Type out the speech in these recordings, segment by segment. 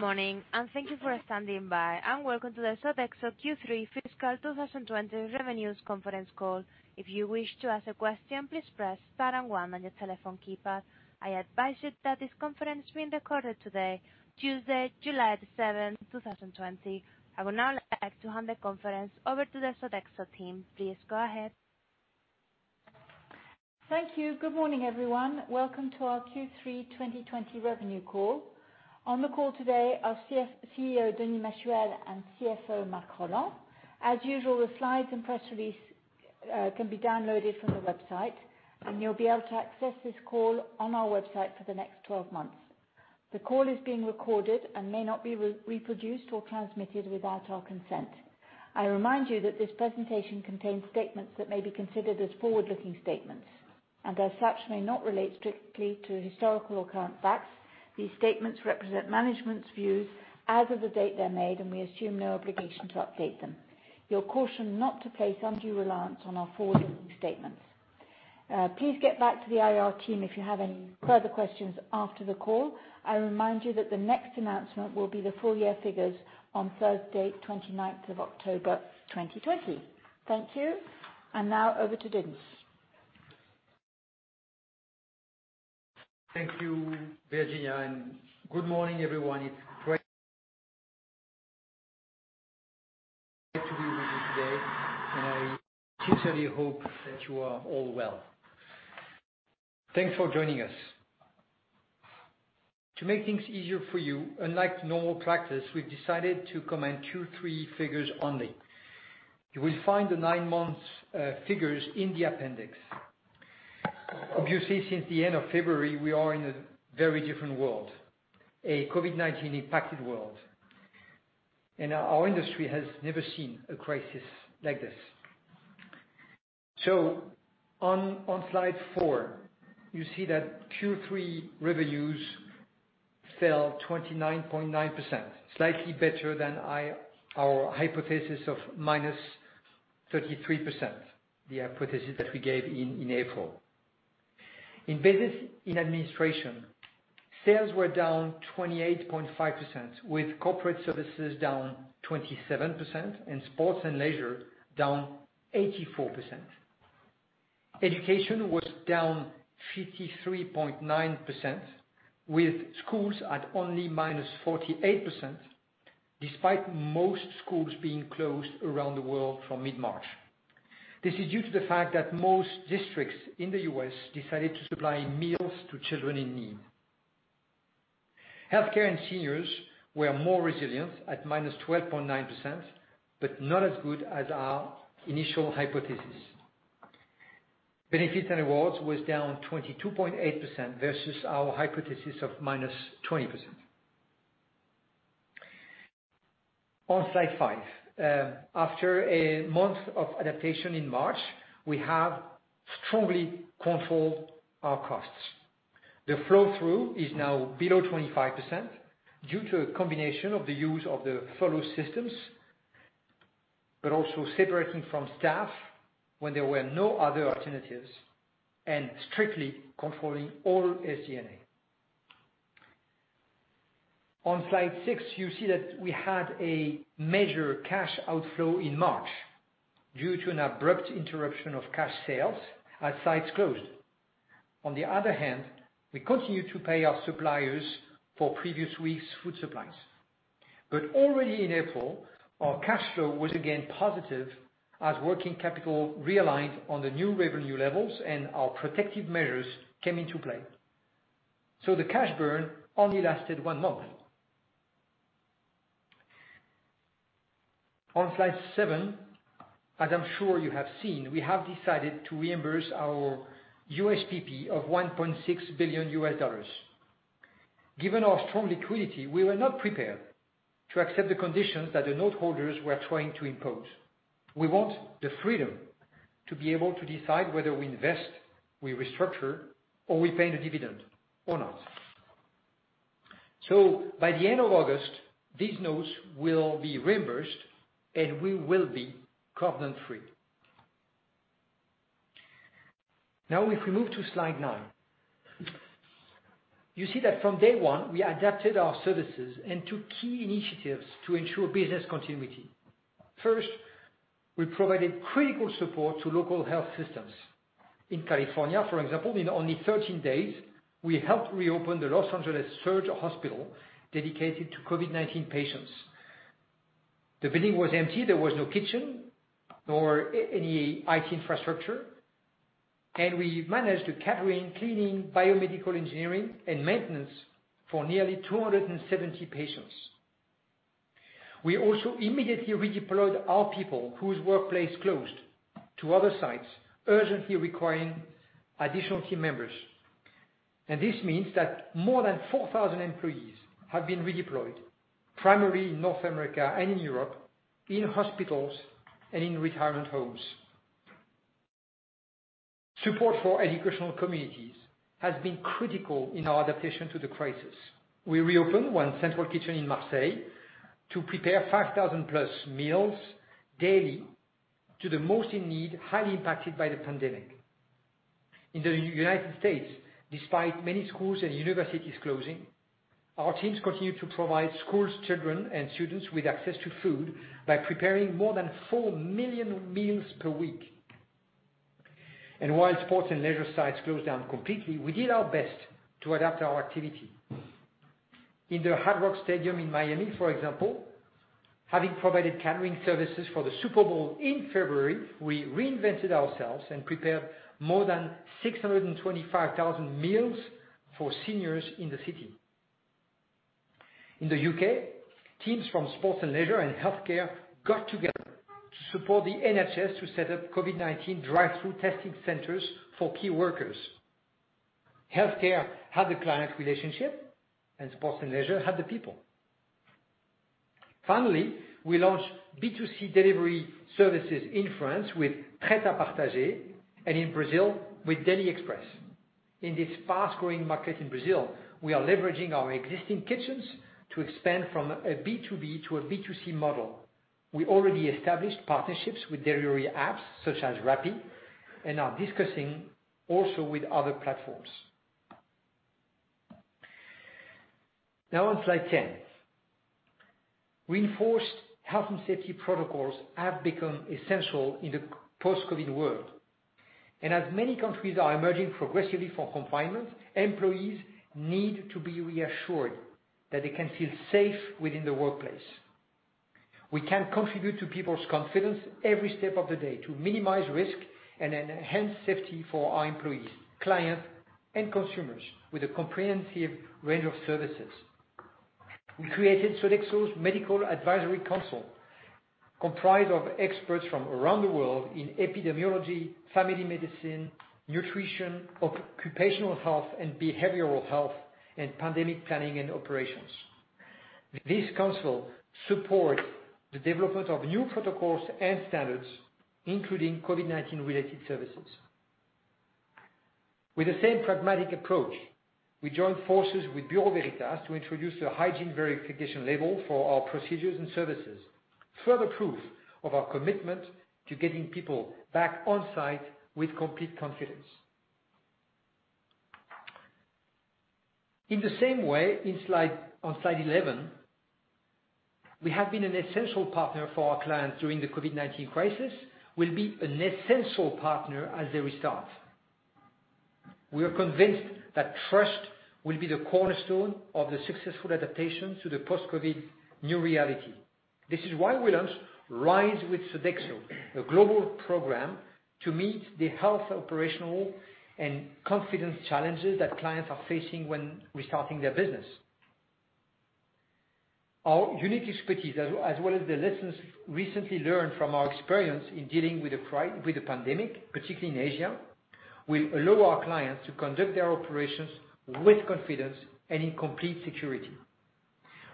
Good morning. Thank you for standing by. Welcome to the Sodexo Q3 fiscal 2020 revenues conference call. If you wish to ask a question, please press star and one on your telephone keypad. I advise you that this conference is being recorded today, Tuesday, July the 7th, 2020. I will now like to hand the conference over to the Sodexo team. Please go ahead. Thank you. Good morning, everyone. Welcome to our Q3 2020 revenue call. On the call today are CEO, Denis Machuel, and CFO, Marc Rolland. As usual, the slides and press release can be downloaded from the website, and you'll be able to access this call on our website for the next 12 months. The call is being recorded and may not be reproduced or transmitted without our consent. I remind you that this presentation contains statements that may be considered as forward-looking statements, and as such, may not relate strictly to historical or current facts. These statements represent management's views as of the date they're made, and we assume no obligation to update them. You're cautioned not to place undue reliance on our forward-looking statements. Please get back to the IR team if you have any further questions after the call. I remind you that the next announcement will be the full-year figures on Thursday, 29th of October, 2020. Thank you. Now over to Denis. Thank you, Virginia, and good morning, everyone. It's great to be with you today, and I sincerely hope that you are all well. Thanks for joining us. To make things easier for you, unlike normal practice, we've decided to comment Q3 figures only. You will find the nine months figures in the appendix. Obviously, since the end of February, we are in a very different world, a COVID-19 impacted world, and our industry has never seen a crisis like this. On slide four, you see that Q3 revenues fell 29.9%, slightly better than our hypothesis of -33%, the hypothesis that we gave in April. In business and administration, sales were down 28.5%, with corporate services down 27% and sports and leisure down 84%. Education was down 53.9%, with schools at only -48%, despite most schools being closed around the world from mid-March. This is due to the fact that most districts in the U.S. decided to supply meals to children in need. Healthcare and seniors were more resilient at -12.9%, but not as good as our initial hypothesis. Benefits & Rewards was down 22.8% versus our hypothesis of -20%. On slide five, after a month of adaptation in March, we have strongly controlled our costs. The drop-through is now below 25% due to a combination of the use of the chômage partiel, but also separating from staff when there were no other alternatives, and strictly controlling all SG&A. On slide six, you see that we had a major cash outflow in March due to an abrupt interruption of cash sales as sites closed. On the other hand, we continued to pay our suppliers for previous weeks' food supplies. Already in April, our cash flow was again positive as working capital realigned on the new revenue levels and our protective measures came into play, the cash burn only lasted one month. On slide seven, as I am sure you have seen, we have decided to reimburse our USPP of $1.6 billion. Given our strong liquidity, we were not prepared to accept the conditions that the note holders were trying to impose. We want the freedom to be able to decide whether we invest, we restructure, or we pay the dividend or not. By the end of August, these notes will be reimbursed, and we will be covenant-free. If we move to slide nine, you see that from day one, we adapted our services and took key initiatives to ensure business continuity. First, we provided critical support to local health systems. In California, for example, in only 13 days, we helped reopen the Los Angeles Surge Hospital dedicated to COVID-19 patients. The building was empty. There was no kitchen nor any IT infrastructure, we managed the catering, cleaning, biomedical engineering, and maintenance for nearly 270 patients. We also immediately redeployed our people whose workplace closed to other sites urgently requiring additional team members. This means that more than 4,000 employees have been redeployed, primarily in North America and in Europe, in hospitals and in retirement homes. Support for educational communities has been critical in our adaptation to the crisis. We reopened one central kitchen in Marseille to prepare 5,000+ meals daily to the most in need, highly impacted by the pandemic. In the U.S., despite many schools and universities closing, our teams continue to provide school children and students with access to food by preparing more than 4 million meals per week. While sports and leisure sites closed down completely, we did our best to adapt our activity. In the Hard Rock Stadium in Miami, for example, having provided catering services for the Super Bowl in February, we reinvented ourselves and prepared more than 625,000 meals for seniors in the city. In the U.K., teams from sports and leisure and healthcare got together to support the NHS to set up COVID-19 drive-through testing centers for key workers. Healthcare had the client relationship, and sports and leisure had the people. Finally, we launched B2C delivery services in France with Traiteur de Paris and in Brazil with Deli Express by Sodexo. In this fast-growing market in Brazil, we are leveraging our existing kitchens to expand from a B2B to a B2C model. We already established partnerships with delivery apps such as Rappi and are discussing also with other platforms. Now on slide 10. Reinforced health and safety protocols have become essential in the post-COVID-19 world. As many countries are emerging progressively from confinement, employees need to be reassured that they can feel safe within the workplace. We can contribute to people's confidence every step of the day to minimize risk and enhance safety for our employees, clients, and consumers with a comprehensive range of services. We created Sodexo Medical Advisory Council, comprised of experts from around the world in epidemiology, family medicine, nutrition, occupational health, and behavioral health, and pandemic planning and operations. This council supports the development of new protocols and standards, including COVID-19-related services. With the same pragmatic approach, we joined forces with Bureau Veritas to introduce a hygiene verification label for our procedures and services. Further proof of our commitment to getting people back on-site with complete confidence. In the same way, on slide 11, we have been an essential partner for our clients during the COVID-19 crisis. We'll be an essential partner as they restart. We are convinced that trust will be the cornerstone of the successful adaptation to the post-COVID new reality. This is why we launched Rise with Sodexo, a global program to meet the health, operational, and confidence challenges that clients are facing when restarting their business. Our unique expertise, as well as the lessons recently learned from our experience in dealing with the pandemic, particularly in Asia, will allow our clients to conduct their operations with confidence and in complete security.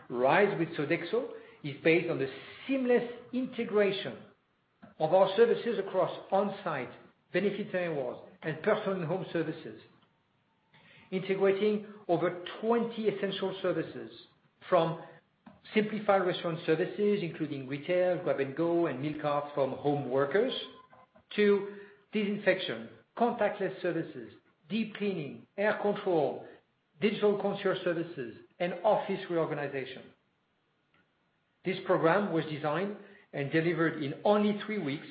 Rise with Sodexo is based on the seamless integration of our services across On-site, Benefits & Rewards, and personal home services. Integrating over 20 essential services from simplified restaurant services, including retail, grab and go, and meal cards for home workers. To disinfection, contactless services, deep cleaning, air control, digital concierge services, and office reorganization. This program was designed and delivered in only three weeks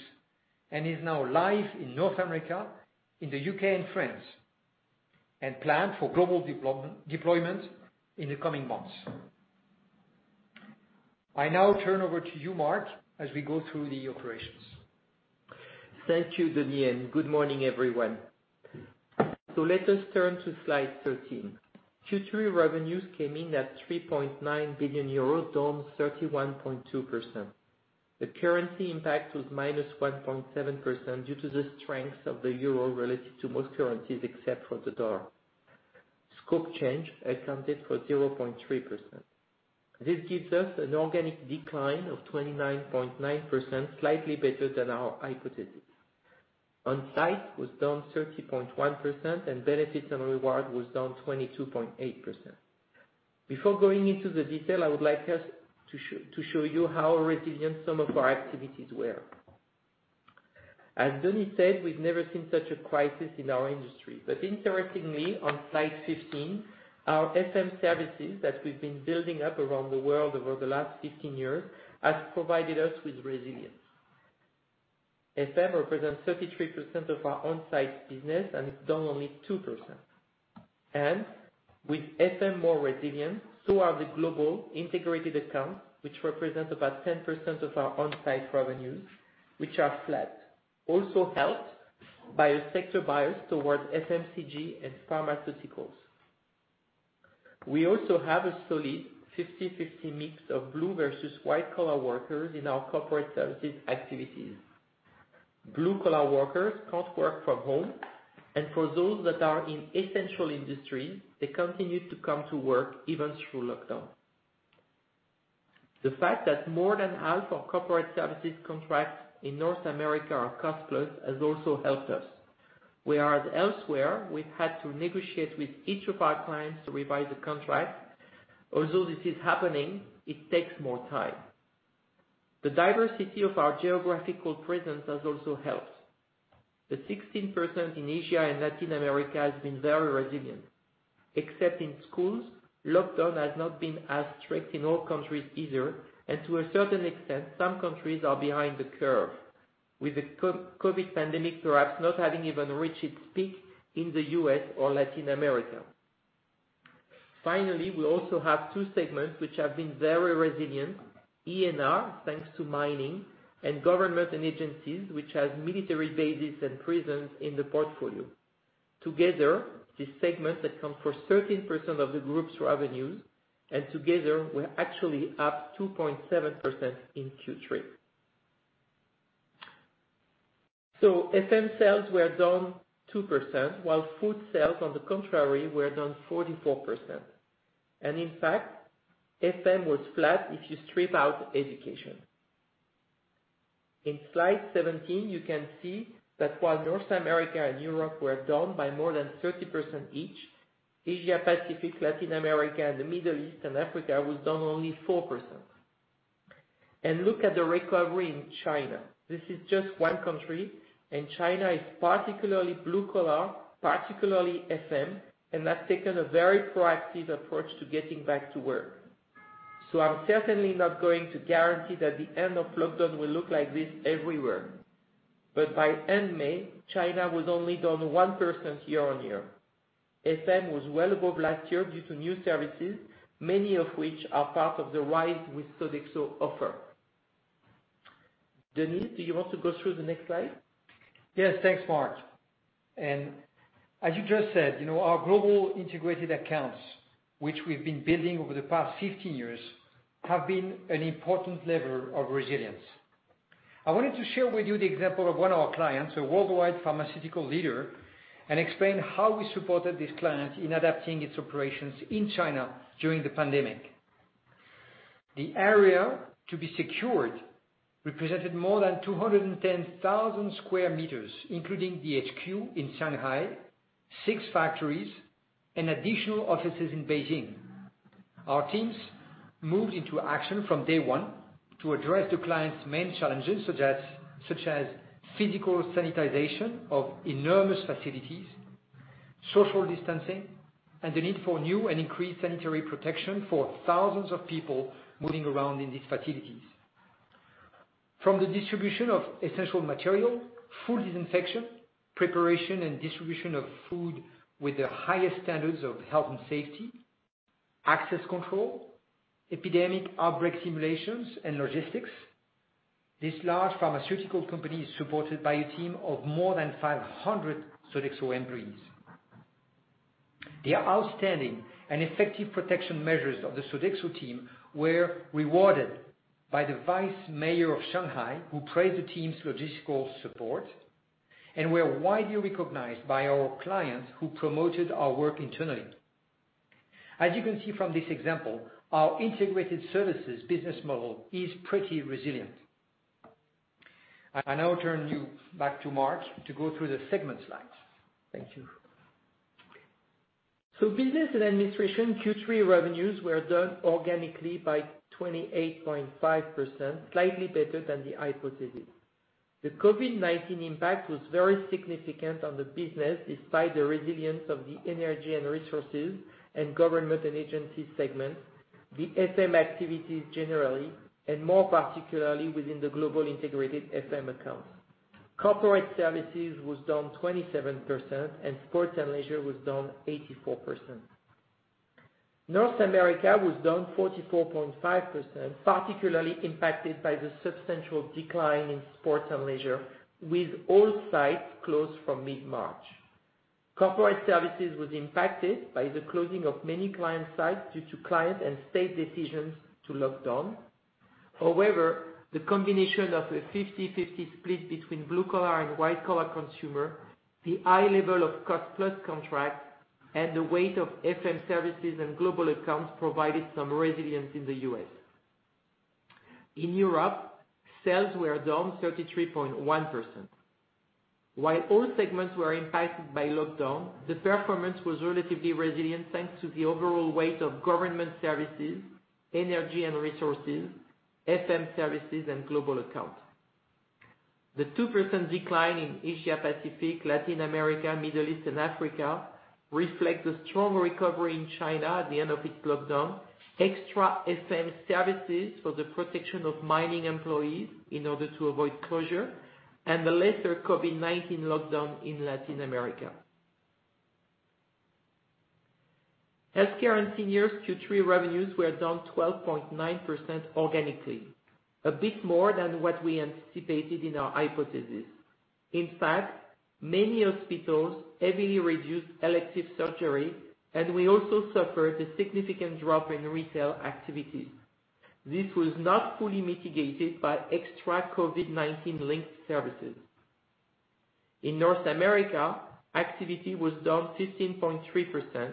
and is now live in North America, in the U.K. and France, and planned for global deployment in the coming months. I now turn over to you, Marc, as we go through the operations. Thank you, Denis, and good morning, everyone. Let us turn to slide 13. Q3 revenues came in at 3.9 billion euros, down 31.2%. The currency impact was -1.7% due to the strength of the euro relative to most currencies except for the dollar. Scope change accounted for 0.3%. This gives us an organic decline of 29.9%, slightly better than our hypothesis. On-site was down 30.1%, and benefits and reward was down 22.8%. Before going into the detail, I would like just to show you how resilient some of our activities were. As Denis said, we've never seen such a crisis in our industry. Interestingly, on slide 15, our FM services that we've been building up around the world over the last 15 years has provided us with resilience. FM represents 33% of our On-site business and is down only 2%. With FM more resilient, so are the global integrated accounts, which represent about 10% of our on-site revenues, which are flat. Helped by a sector bias towards FMCG and pharmaceuticals. We also have a solid 50/50 mix of blue versus white-collar workers in our corporate services activities. Blue-collar workers can't work from home, and for those that are in essential industries, they continue to come to work even through lockdown. The fact that more than half of corporate services contracts in North America are cost-plus has also helped us. Whereas elsewhere, we've had to negotiate with each of our clients to revise the contract. This is happening, it takes more time. The diversity of our geographical presence has also helped. The 16% in Asia and Latin America has been very resilient. Except in schools, lockdown has not been as strict in all countries either, and to a certain extent, some countries are behind the curve, with the COVID-19 pandemic perhaps not having even reached its peak in the U.S. or Latin America. Finally, we also have two segments which have been very resilient, E&R, thanks to mining, and government and agencies, which has military bases and prisons in the portfolio. Together, these segments account for 13% of the group's revenues, and together were actually up 2.7% in Q3. FM sales were down 2%, while food sales, on the contrary, were down 44%. In fact, FM was flat if you strip out education. In slide 17, you can see that while North America and Europe were down by more than 30% each, Asia Pacific, Latin America, and the Middle East and Africa was down only 4%. Look at the recovery in China. This is just one country, and China is particularly blue-collar, particularly FM, and has taken a very proactive approach to getting back to work. I'm certainly not going to guarantee that the end of lockdown will look like this everywhere. By end May, China was only down 1% year-on-year. FM was well above last year due to new services, many of which are part of the Rise with Sodexo offer. Denis, do you want to go through the next slide? Yes. Thanks, Marc. As you just said, our global integrated accounts, which we've been building over the past 15 years, have been an important lever of resilience. I wanted to share with you the example of one of our clients, a worldwide pharmaceutical leader, and explain how we supported this client in adapting its operations in China during the pandemic. The area to be secured represented more than 210,000 sq m, including the HQ in Shanghai, six factories, and additional offices in Beijing. Our teams moved into action from day one to address the client's main challenges, such as physical sanitization of enormous facilities, social distancing, and the need for new and increased sanitary protection for thousands of people moving around in these facilities. From the distribution of essential material, full disinfection, preparation, and distribution of food with the highest standards of health and safety, access control, epidemic outbreak simulations, and logistics, this large pharmaceutical company is supported by a team of more than 500 Sodexo employees. The outstanding and effective protection measures of the Sodexo team were rewarded by the Vice Mayor of Shanghai, who praised the team's logistical support and were widely recognized by our clients, who promoted our work internally. As you can see from this example, our integrated services business model is pretty resilient. I now turn you back to Marc to go through the segment slides. Thank you. Business and administration Q3 revenues were down organically by 28.5%, slightly better than the hypothesis. The COVID-19 impact was very significant on the business despite the resilience of the Energy and Resources and Government and Agency segments, the FM activities generally, and more particularly within the global integrated FM accounts. Corporate Services was down 27% and Sports and Leisure was down 84%. North America was down 44.5%, particularly impacted by the substantial decline in Sports and Leisure, with all sites closed from mid-March. Corporate Services was impacted by the closing of many client sites due to client and state decisions to lock down. However, the combination of a 50/50 split between blue-collar and white-collar consumer, the high level of cost-plus contracts, and the weight of FM services and global accounts provided some resilience in the U.S. In Europe, sales were down 33.1%. While all segments were impacted by lockdown, the performance was relatively resilient thanks to the overall weight of government services, energy and resources, FM services, and global accounts. The 2% decline in Asia Pacific, Latin America, Middle East, and Africa reflect a strong recovery in China at the end of its lockdown, extra FM services for the protection of mining employees in order to avoid closure, and the lesser COVID-19 lockdown in Latin America. Healthcare and seniors Q3 revenues were down 12.9% organically, a bit more than what we anticipated in our hypothesis. In fact, many hospitals heavily reduced elective surgery, and we also suffered a significant drop in retail activities. This was not fully mitigated by extra COVID-19-linked services. In North America, activity was down 15.3%,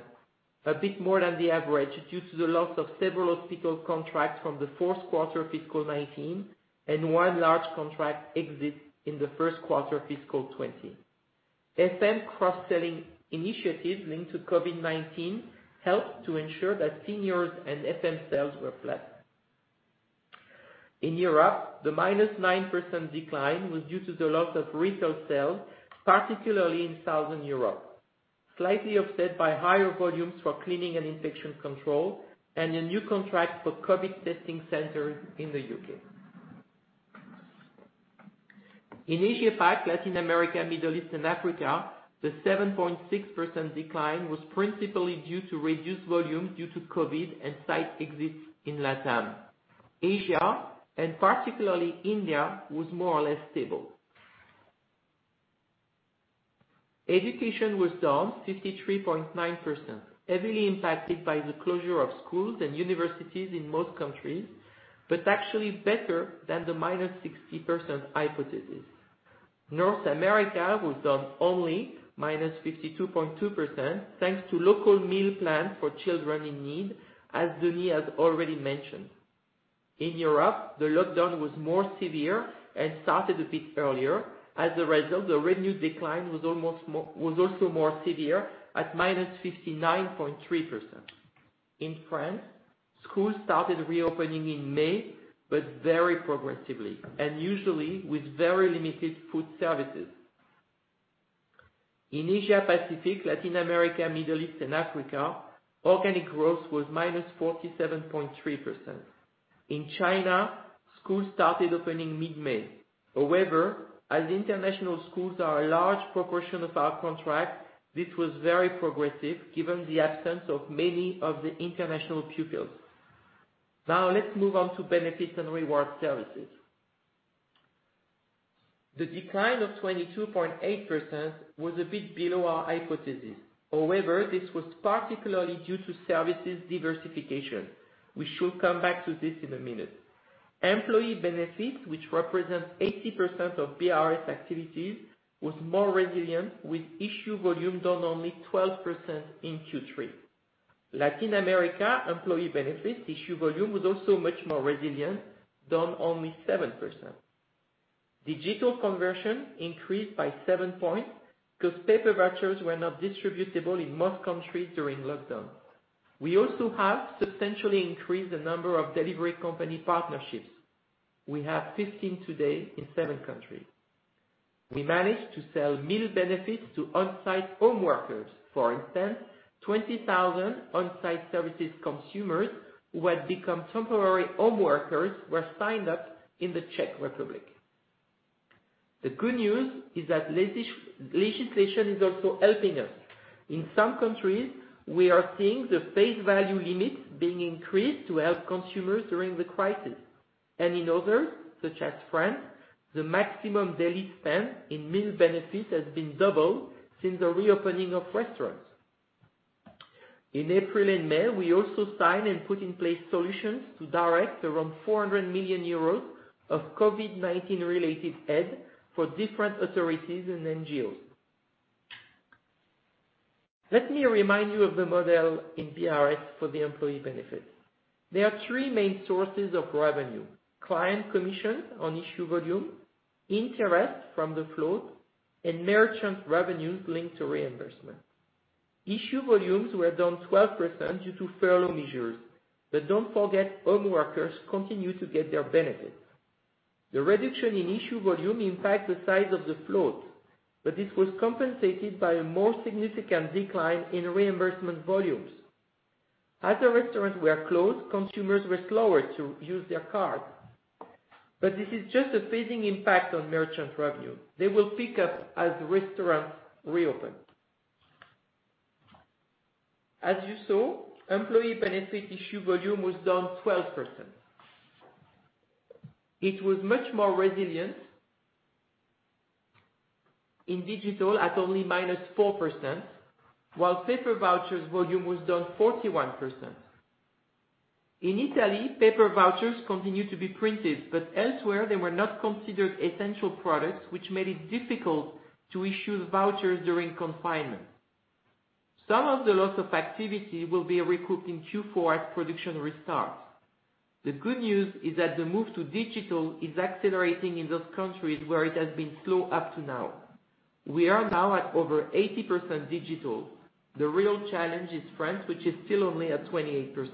a bit more than the average due to the loss of several hospital contracts from the fourth quarter of fiscal 2019 and one large contract exit in the first quarter of fiscal 2020. FM cross-selling initiatives linked to COVID-19 helped to ensure that seniors and FM sales were flat. In Europe, the -9% decline was due to the loss of retail sales, particularly in Southern Europe, slightly offset by higher volumes for cleaning and infection control, and a new contract for COVID testing centers in the U.K. In Asia Pac, Latin America, Middle East, and Africa, the 7.6% decline was principally due to reduced volumes due to COVID and site exits in LATAM. Asia, and particularly India, was more or less stable. Education was down 53.9%, heavily impacted by the closure of schools and universities in most countries, actually better than the -60% hypothesis. North America was down only -52.2%, thanks to local meal plans for children in need, as Denis has already mentioned. In Europe, the lockdown was more severe and started a bit earlier. As a result, the revenue decline was also more severe at -59.3%. In France, schools started reopening in May, very progressively, and usually with very limited food services. In Asia Pacific, Latin America, Middle East, and Africa, organic growth was -47.3%. In China, schools started opening mid-May. As international schools are a large proportion of our contract, this was very progressive given the absence of many of the international pupils. Now let's move on to Benefits & Rewards Services. The decline of 22.8% was a bit below our hypothesis. This was particularly due to services diversification. We should come back to this in a minute. Employee benefits, which represents 80% of BRS activities, was more resilient with issue volume down only 12% in Q3. Latin America employee benefits issue volume was also much more resilient, down only 7%. Digital conversion increased by seven points because paper vouchers were not distributable in most countries during lockdown. We also have substantially increased the number of delivery company partnerships. We have 15 today in seven countries. We managed to sell meal benefits to on-site home workers. For instance, 20,000 on-site services consumers who had become temporary home workers were signed up in the Czech Republic. The good news is that legislation is also helping us. In some countries, we are seeing the face value limits being increased to help consumers during the crisis. In others, such as France, the maximum daily spend in meal benefits has been doubled since the reopening of restaurants. In April and May, we also signed and put in place solutions to direct around 400 million euros of COVID-19 related aid for different authorities and NGOs. Let me remind you of the model in BRS for the employee benefit. There are three main sources of revenue, client commission on issue volume, interest from the float, and merchant revenues linked to reimbursement. Issue volumes were down 12% due to furlough measures. Don't forget, home workers continue to get their benefits. The reduction in issue volume impact the size of the float, but this was compensated by a more significant decline in reimbursement volumes. As the restaurants were closed, consumers were slower to use their cards. This is just a fading impact on merchant revenue. They will pick up as restaurants reopen. As you saw, employee benefit issue volume was down 12%. It was much more resilient in digital at only minus 4%, while paper vouchers volume was down 41%. In Italy, paper vouchers continued to be printed. Elsewhere, they were not considered essential products, which made it difficult to issue vouchers during confinement. Some of the loss of activity will be recouped in Q4 as production restarts. The good news is that the move to digital is accelerating in those countries where it has been slow up to now. We are now at over 80% digital. The real challenge is France, which is still only at 28%.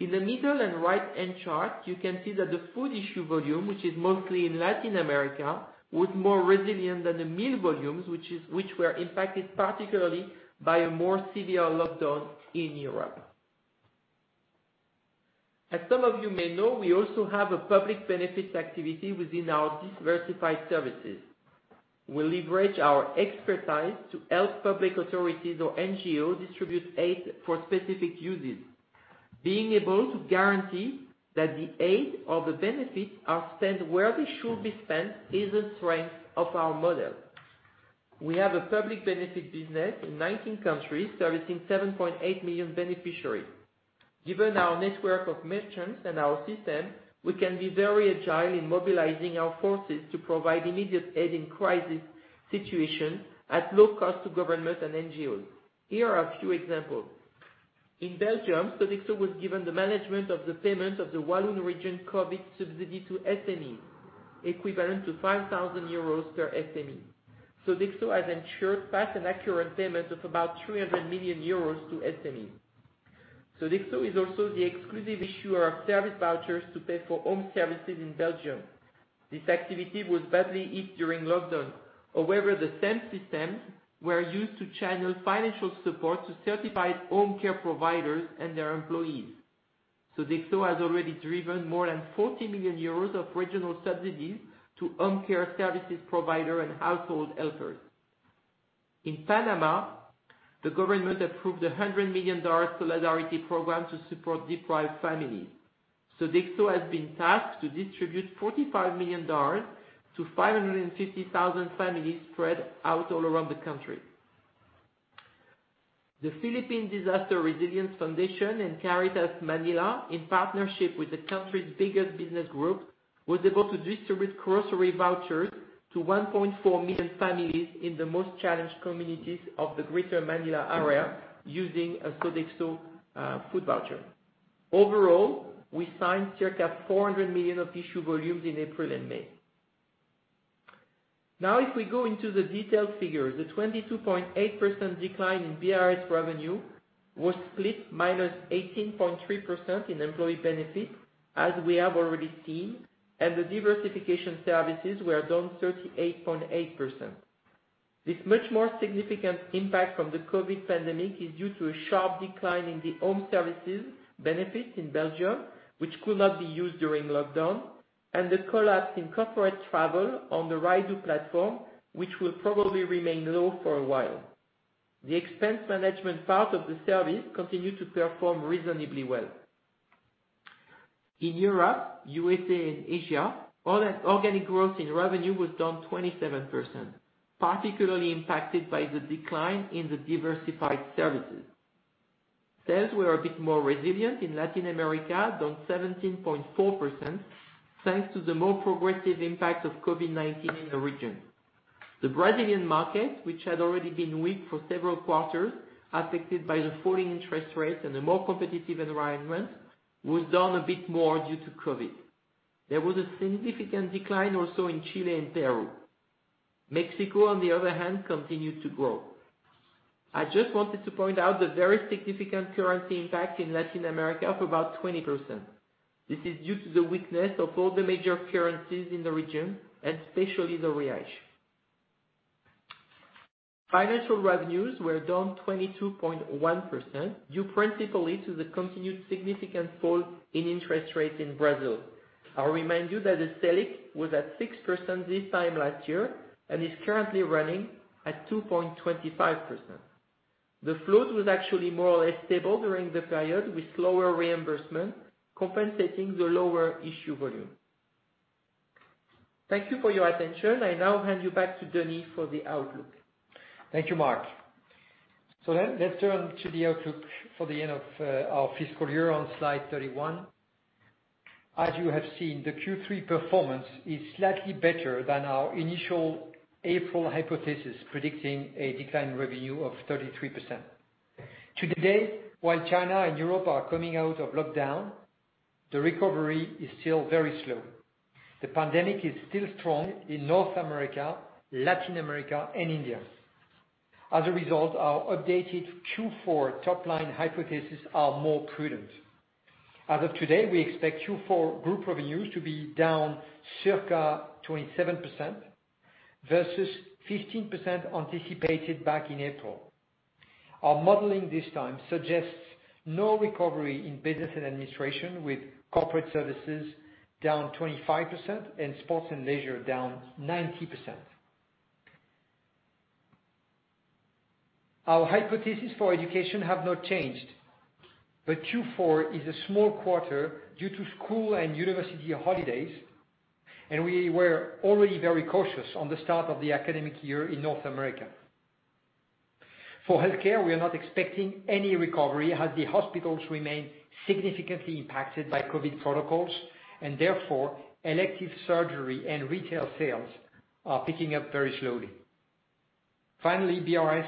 In the middle and right end chart, you can see that the food issue volume, which is mostly in Latin America, was more resilient than the meal volumes, which were impacted particularly by a more severe lockdown in Europe. As some of you may know, we also have a public benefits activity within our diversified services. We leverage our expertise to help public authorities or NGOs distribute aid for specific uses. Being able to guarantee that the aid or the benefits are spent where they should be spent is a strength of our model. We have a public benefit business in 19 countries servicing 7.8 million beneficiaries. Given our network of merchants and our system, we can be very agile in mobilizing our forces to provide immediate aid in crisis situations at low cost to government and NGOs. Here are a few examples. In Belgium, Sodexo was given the management of the payment of the Walloon region COVID subsidy to SMEs, equivalent to 5,000 euros per SME. Sodexo has ensured fast and accurate payment of about 300 million euros to SMEs. Sodexo is also the exclusive issuer of service vouchers to pay for home services in Belgium. This activity was badly hit during lockdown. However, the same systems were used to channel financial support to certified home care providers and their employees. Sodexo has already driven more than 40 million euros of regional subsidies to home care services provider and household helpers. In Panama, the government approved a EUR 100 million solidarity program to support deprived families. Sodexo has been tasked to distribute EUR 45 million to 550,000 families spread out all around the country. The Philippine Disaster Resilience Foundation and Caritas Manila, in partnership with the country's biggest business group, was able to distribute grocery vouchers to 1.4 million families in the most challenged communities of the greater Manila area using a Sodexo food voucher. Overall, we signed circa 400 million of issue volumes in April and May. Now, if we go into the detailed figures, the 22.8% decline in BRS revenue was split -18.3% in employee benefits, as we have already seen, and the diversification services were down 38.8%. This much more significant impact from the COVID pandemic is due to a sharp decline in the home services benefits in Belgium, which could not be used during lockdown, and the collapse in corporate travel on the Rydoo platform, which will probably remain low for a while. The expense management part of the service continued to perform reasonably well. In Europe, U.S.A., and Asia, all that organic growth in revenue was down 27%, particularly impacted by the decline in the diversified services. Sales were a bit more resilient in Latin America, down 17.4%, thanks to the more progressive impact of COVID-19 in the region. The Brazilian market, which had already been weak for several quarters, affected by the falling interest rates and a more competitive environment, was down a bit more due to COVID-19. There was a significant decline also in Chile and Peru. Mexico, on the other hand, continued to grow. I just wanted to point out the very significant currency impact in Latin America of about 20%. This is due to the weakness of all the major currencies in the region, and especially the Real. Financial revenues were down 22.1%, due principally to the continued significant fall in interest rates in Brazil. I'll remind you that the Selic was at 6% this time last year, and is currently running at 2.25%. The float was actually more or less stable during the period, with slower reimbursement compensating the lower issue volume. Thank you for your attention. I now hand you back to Denis for the outlook. Thank you, Marc. Let's turn to the outlook for the end of our fiscal year on slide 31. As you have seen, the Q3 performance is slightly better than our initial April hypothesis predicting a decline revenue of 33%. To date, while China and Europe are coming out of lockdown, the recovery is still very slow. The pandemic is still strong in North America, Latin America, and India. As a result, our updated Q4 top-line hypothesis are more prudent. As of today, we expect Q4 group revenues to be down circa 27%, versus 15% anticipated back in April. Our modeling this time suggests no recovery in business and administration, with corporate services down 25% and sports and leisure down 90%. Our hypothesis for education have not changed. Q4 is a small quarter due to school and university holidays, and we were already very cautious on the start of the academic year in North America. For healthcare, we are not expecting any recovery, as the hospitals remain significantly impacted by COVID protocols, and therefore, elective surgery and retail sales are picking up very slowly. Finally, BRS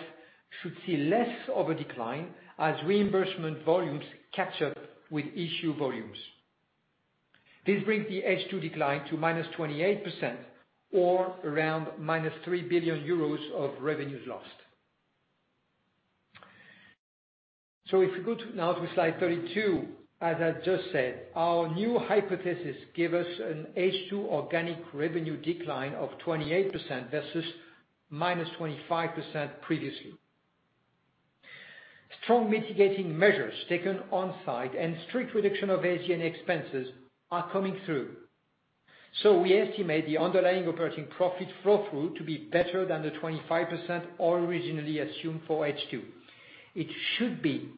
should see less of a decline as reimbursement volumes catch up with issue volumes. This brings the H2 decline to -28%, or around minus 3 billion euros of revenues lost. If you go to now to slide 32, as I just said, our new hypothesis give us an H2 organic revenue decline of 28% versus -25% previously. Strong mitigating measures taken on site and strict reduction of SG&A expenses are coming through. We estimate the underlying operating profit flow-through to be better than the 25% originally assumed for H2. It should be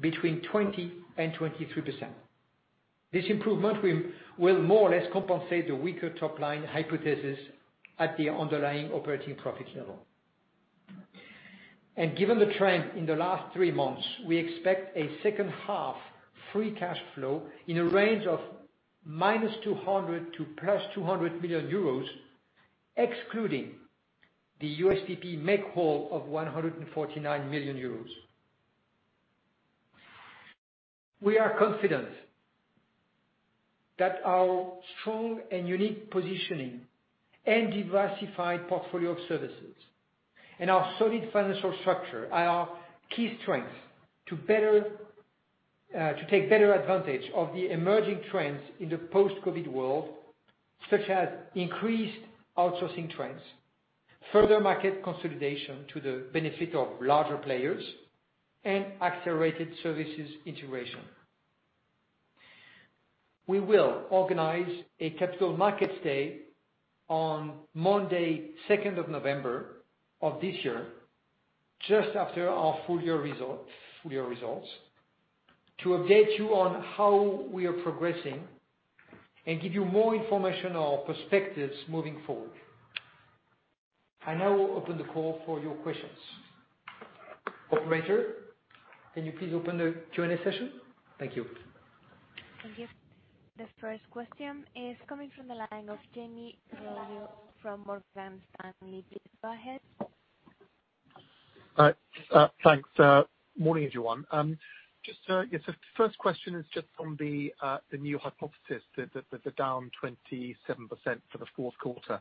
between 20% and 23%. This improvement will more or less compensate the weaker top-line hypothesis at the underlying operating profit level. Given the trend in the last three months, we expect a second half free cash flow in a range of -200 million euros to +EUR 200 million, excluding the USPP make-whole of 149 million euros. We are confident that our strong and unique positioning and diversified portfolio of services and our solid financial structure are our key strengths to take better advantage of the emerging trends in the post-COVID world, such as increased outsourcing trends, further market consolidation to the benefit of larger players, and accelerated services integration. We will organize a capital markets day on Monday, 2nd of November of this year, just after our full year results, to update you on how we are progressing and give you more information on perspectives moving forward. I now open the call for your questions. Operator, can you please open the Q&A session? Thank you. Thank you. The first question is coming from the line of Jamie Rubio from Morgan Stanley. Please go ahead. Hi. Thanks. Morning, everyone. The first question is just on the new hypothesis, the down 27% for the fourth quarter.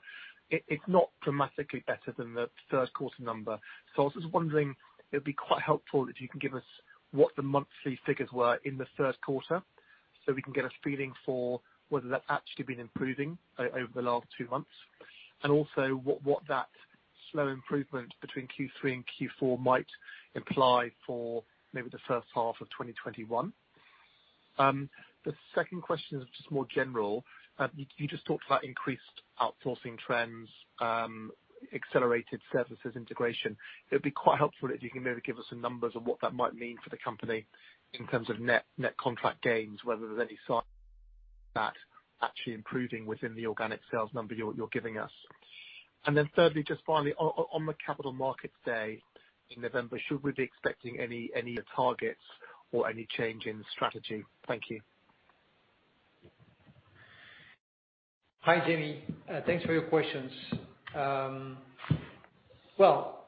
It's not dramatically better than the third quarter number. I was just wondering, it would be quite helpful if you can give us what the monthly figures were in the first quarter, so we can get a feeling for whether that actually been improving over the last two months. Also what that slow improvement between Q3 and Q4 might imply for maybe the first half of 2021. The second question is just more general. You just talked about increased outsourcing trends, accelerated services integration. It'd be quite helpful if you can maybe give us some numbers on what that might mean for the company in terms of net contract gains, whether there's any signs that actually improving within the organic sales number you're giving us. Thirdly, just finally, on the capital markets day in November, should we be expecting any targets or any change in strategy? Thank you. Hi, Jamie. Thanks for your questions. What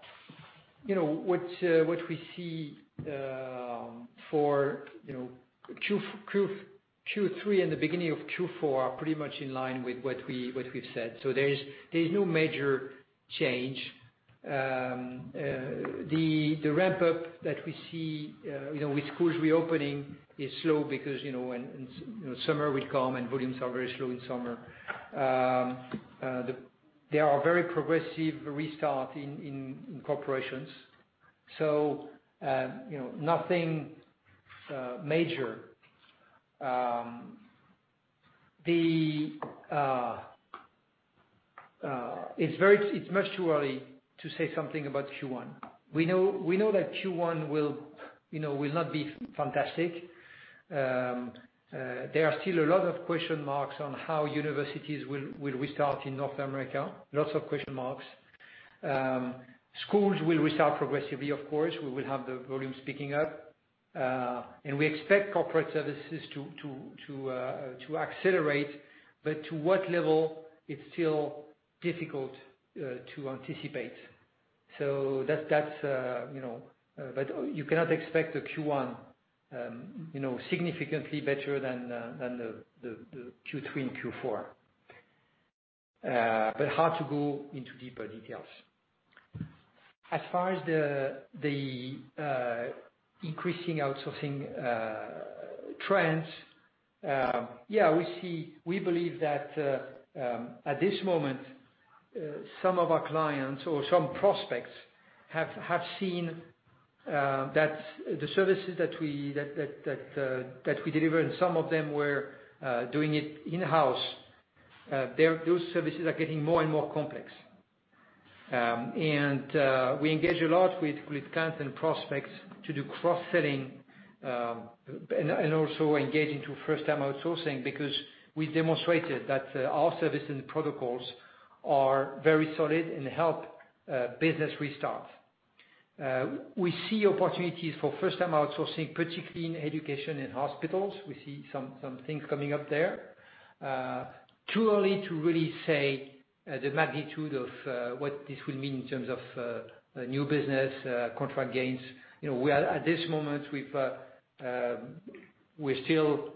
we see for Q3 and the beginning of Q4 are pretty much in line with what we've said. There is no major change. The ramp-up that we see with schools reopening is slow because summer will come, and volumes are very slow in summer. There are very progressive restart in corporations. Nothing major. It's much too early to say something about Q1. We know that Q1 will not be fantastic. There are still a lot of question marks on how universities will restart in North America. Lots of question marks. Schools will restart progressively, of course. We will have the volumes picking up. We expect corporate services to accelerate. To what level, it's still difficult to anticipate. You cannot expect the Q1 significantly better than the Q3 and Q4. Hard to go into deeper details. As far as the increasing outsourcing trends, we believe that at this moment, some of our clients or some prospects have seen that the services that we deliver, and some of them were doing it in-house, those services are getting more and more complex. We engage a lot with clients and prospects to do cross-selling, and also engaging to first-time outsourcing, because we demonstrated that our service and protocols are very solid and help business restart. We see opportunities for first-time outsourcing, particularly in education and hospitals. We see some things coming up there. Too early to really say the magnitude of what this will mean in terms of new business, contract gains. At this moment, we're still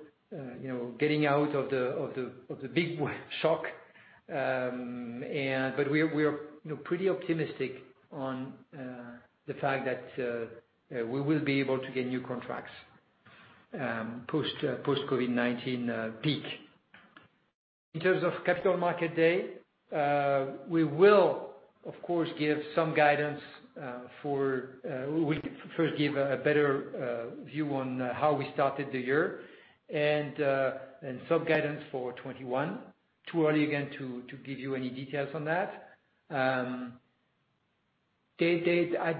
getting out of the big shock, but we're pretty optimistic on the fact that we will be able to get new contracts post-COVID-19 peak. In terms of Capital Market Day, we will, of course, give some guidance. We'll first give a better view on how we started the year and some guidance for 2021. Too early, again, to give you any details on that. I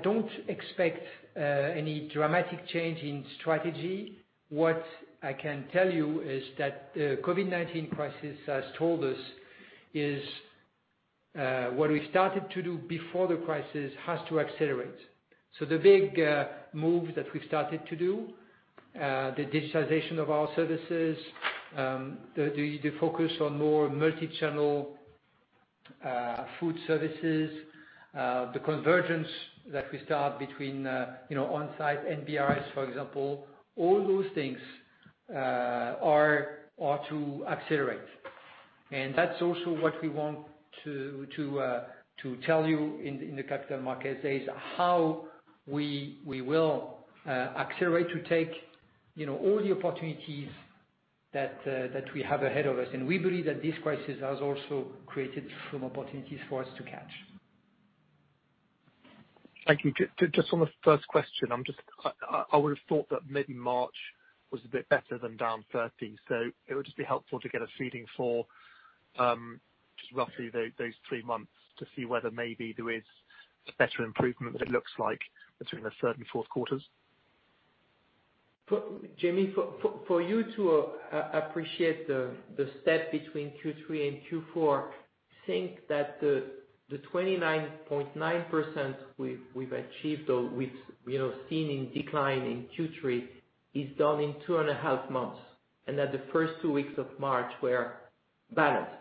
don't expect any dramatic change in strategy. What I can tell you is that the COVID-19 crisis has told us is what we started to do before the crisis has to accelerate. The big move that we started, the digitization of our services, the focus on more multi-channel food services, the convergence that we start between on-site B&RS, for example, all those things are to accelerate. That's also what we want to tell you in the capital markets, is how we will accelerate to take all the opportunities that we have ahead of us. We believe that this crisis has also created some opportunities for us to catch. Thank you. Just on the first question, I would've thought that mid-March was a bit better than down 30. It would just be helpful to get a feeling for just roughly those three months to see whether maybe there is a better improvement than it looks like between the third and fourth quarters. Jamie, for you to appreciate the step between Q3 and Q4, think that the 29.9% we've achieved or we've seen in decline in Q3, is done in two and a half months, and that the first two weeks of March were balanced.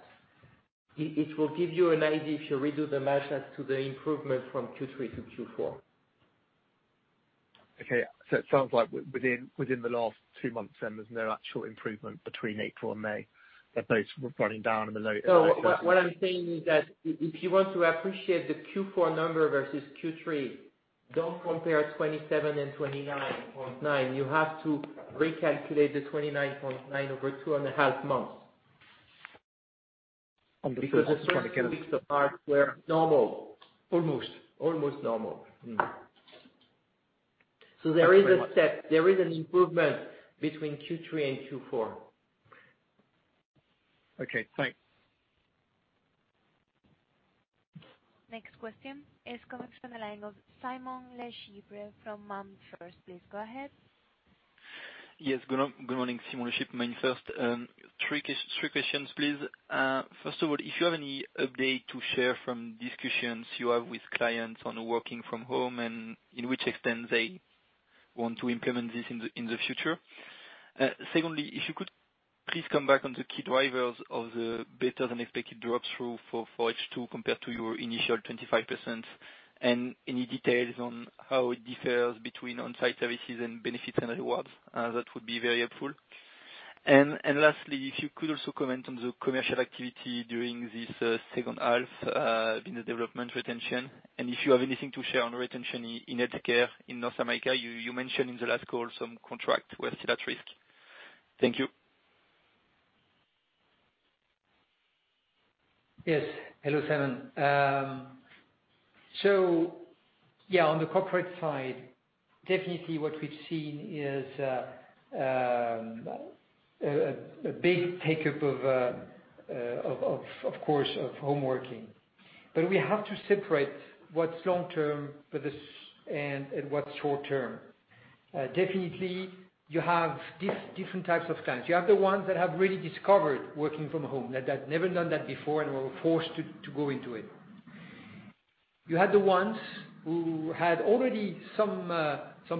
It will give you an idea, if you redo the math, as to the improvement from Q3 to Q4. Okay. It sounds like within the last two months then, there's no actual improvement between April and May. That those were running down in the- What I'm saying is that if you want to appreciate the Q4 number versus Q3, don't compare 27 and 29.9. You have to recalculate the 29.9 over two and a half months. Understood. The first two weeks of March were normal. Almost. Almost normal. There is a step, there is an improvement between Q3 and Q4. Okay, thanks. Next question is coming from the line of Simon LeChipre from MainFirst. Please go ahead. Yes, good morning. Simon LeChipre, MainFirst. Three questions, please. First of all, if you have any update to share from discussions you have with clients on working from home, and in which extent they want to implement this in the future. If you could please come back on the key drivers of the better than expected drop-through for H2 compared to your initial 25%, and any details on how it differs between On-site Services and Benefits and Rewards. That would be very helpful. Lastly, if you could also comment on the commercial activity during this second half, in the development retention, and if you have anything to share on retention in healthcare, in North America. You mentioned in the last call some contract were still at risk. Thank you. Yes. Hello, Simon. Definitely what we've seen is a big take-up of course of home working. We have to separate what's long-term and what's short-term. Definitely, you have different types of clients. You have the ones that have really discovered working from home, that had never done that before and were forced to go into it. You had the ones who had already some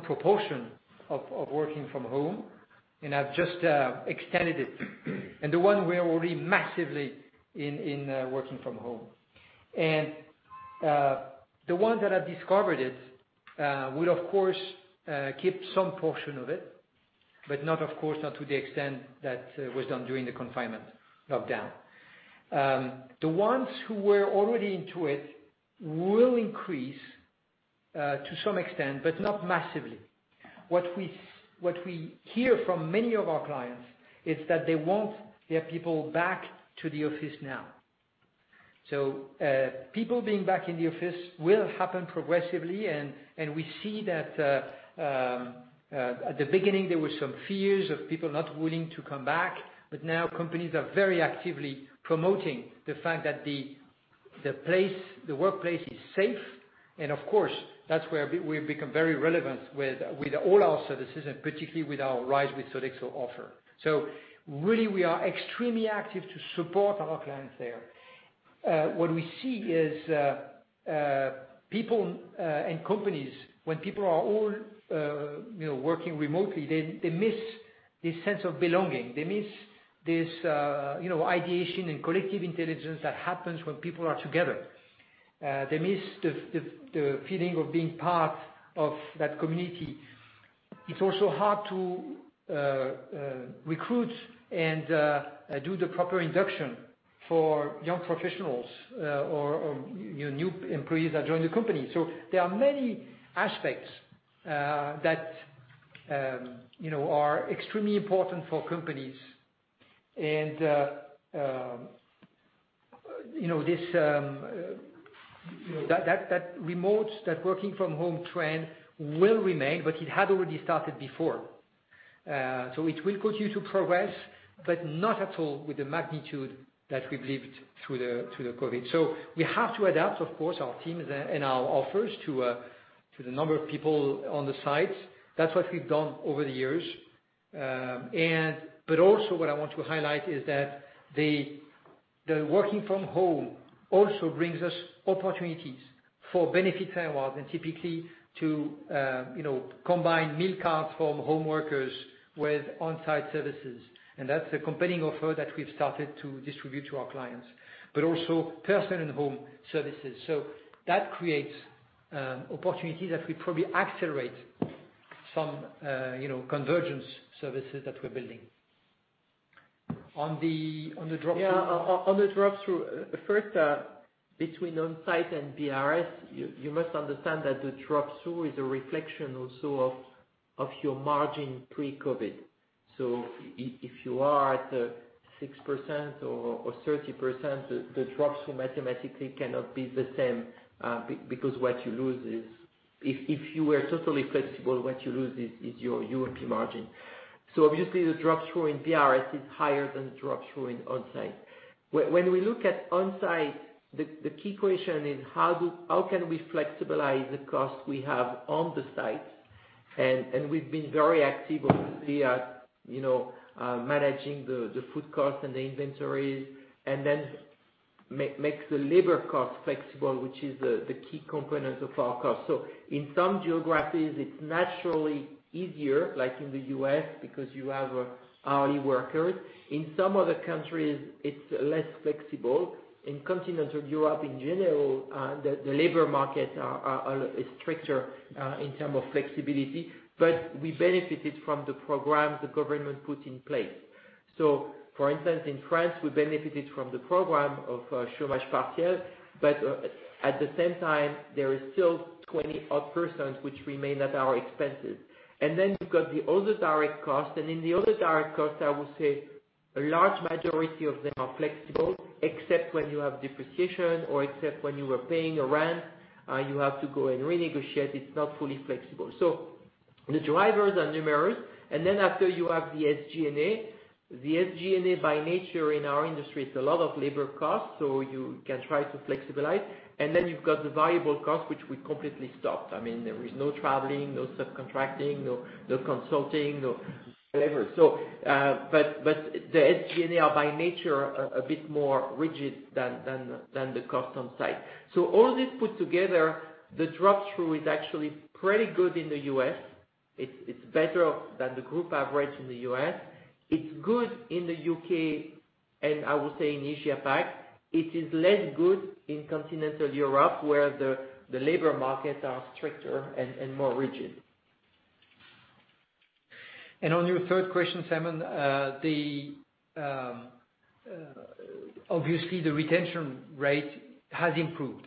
proportion of working from home and have just extended it. The one we're already massively in working from home. The ones that have discovered it, will of course keep some portion of it, but of course not to the extent that was done during the confinement lockdown. The ones who were already into it will increase to some extent, but not massively. What we hear from many of our clients is that they want their people back to the office now. People being back in the office will happen progressively, and we see that at the beginning there were some fears of people not willing to come back, but now companies are very actively promoting the fact that the workplace is safe. Of course, that's where we've become very relevant with all our services and particularly with our Rise with Sodexo offer. Really, we are extremely active to support our clients there. What we see is people and companies, when people are all working remotely, they miss this sense of belonging. They miss this ideation and collective intelligence that happens when people are together. They miss the feeling of being part of that community. It's also hard to recruit and do the proper induction for young professionals or your new employees that join the company. There are many aspects that are extremely important for companies and that remote working from home trend will remain, but it had already started before. It will continue to progress, but not at all with the magnitude that we've lived through the COVID. We have to adapt, of course, our teams and our offers to the number of people on the site. That's what we've done over the years. But also what I want to highlight is that the working from home also brings us opportunities for benefit awards and typically to combine meal cards from home workers with On-site Services. That's a compelling offer that we've started to distribute to our clients, but also personal and home services. That creates opportunities that we probably accelerate some convergence services that we're building. On the drop-through. On the drop-through, first, between On-site and BRS, you must understand that the drop-through is a reflection also of your margin pre-COVID-19. If you are at 6% or 30%, the drop-through mathematically cannot be the same, because what you lose is, if you were totally flexible, what you lose is your EBIT margin. Obviously the drop-through in BRS is higher than the drop-through in On-site. When we look at On-site, the key question is how can we flexibilize the cost we have on the site? We've been very active, obviously, at managing the food costs and the inventories and then make the labor cost flexible, which is the key component of our cost. In some geographies, it's naturally easier, like in the U.S. because you have hourly workers. In some other countries, it's less flexible. In continental Europe in general, the labor markets are stricter in term of flexibility, but we benefited from the programs the government put in place. For instance, in France, we benefited from the program of chômage partiel, but at the same time, there is still 20 odd persons which remain at our expenses. You've got the other direct costs. In the other direct costs, I would say a large majority of them are flexible, except when you have depreciation or except when you are paying a rent, you have to go and renegotiate. It's not fully flexible. The drivers are numerous. After you have the SG&A. The SG&A by nature in our industry, it's a lot of labor costs, so you can try to flexibilize. You've got the variable costs, which we completely stopped. There is no traveling, no subcontracting, no consulting, no whatever. The SG&A are by nature a bit more rigid than the cost on site. All this put together, the drop-through is actually pretty good in the U.S. It's better than the group average in the U.S. It's good in the U.K. and I would say in Asia Pac. It is less good in continental Europe where the labor markets are stricter and more rigid. On your third question, Simon, obviously the retention rate has improved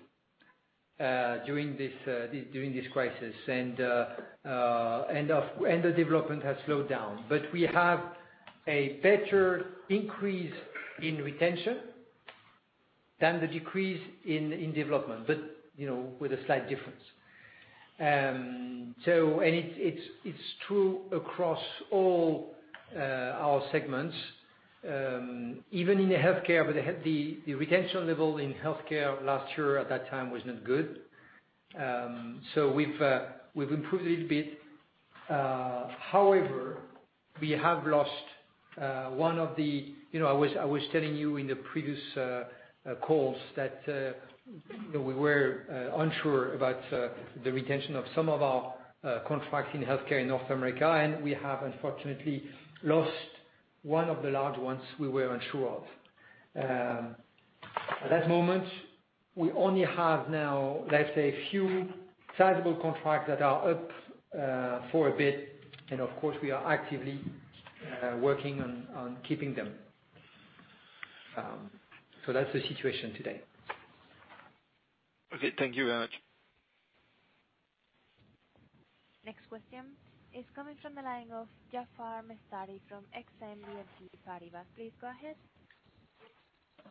during this crisis and the development has slowed down. We have a better increase in retention than the decrease in development, but with a slight difference. It's true across all our segments, even in the Healthcare, but the retention level in Healthcare last year at that time was not good. We've improved it a bit. However, we have lost one of the I was telling you in the previous calls that we were unsure about the retention of some of our contracts in Healthcare in North America, and we have unfortunately lost one of the large ones we were unsure of. At that moment, we only have now, let's say, a few sizable contracts that are up for a bit. Of course, we are actively working on keeping them. That's the situation today. Okay. Thank you very much. Next question is coming from the line of Jaafar Mestari from Exane BNP Paribas. Please go ahead.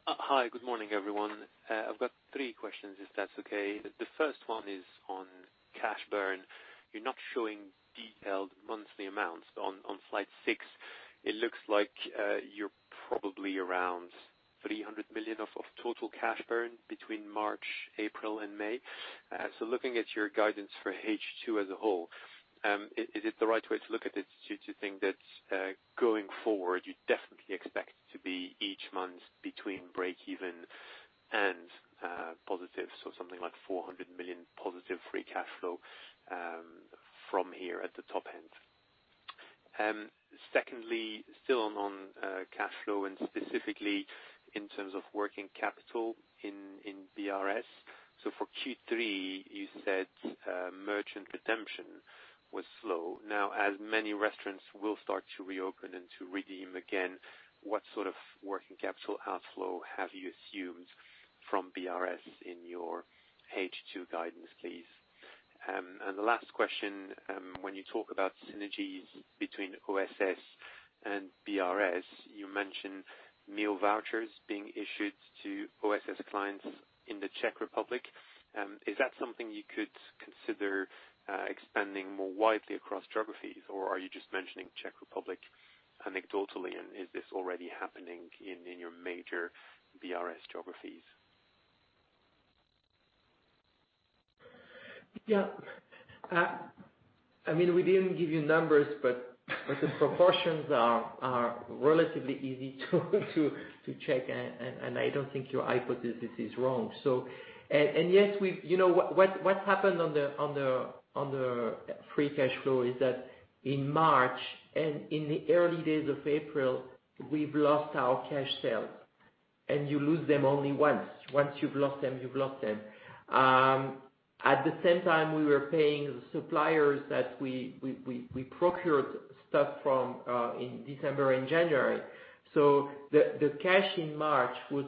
Hi. Good morning, everyone. I've got three questions, if that's okay. The first one is on cash burn. You're not showing detailed monthly amounts on slide six. It looks like you're probably around 300 million of total cash burn between March, April and May. Looking at your guidance for H2 as a whole, is it the right way to look at it to think that going forward, you definitely expect to be each month between breakeven and positive, so something like 400 million positive free cash flow from here at the top end? Secondly, still on cash flow and specifically in terms of working capital in BRS. For Q3, you said merchant redemption was slow. As many restaurants will start to reopen and to redeem again, what sort of working capital outflow have you assumed from BRS in your H2 guidance, please? The last question, when you talk about synergies between OSS and BRS, you mentioned meal vouchers being issued to OSS clients in the Czech Republic. Is that something you could consider expanding more widely across geographies or are you just mentioning Czech Republic anecdotally and is this already happening in your major BRS geographies? We didn't give you numbers, but the proportions are relatively easy to check, and I don't think your hypothesis is wrong. What happened on the free cash flow is that in March, in the early days of April, we've lost our cash sales. You lose them only once. Once you've lost them, you've lost them. At the same time, we were paying the suppliers that we procured stuff from in December and January. The cash in March was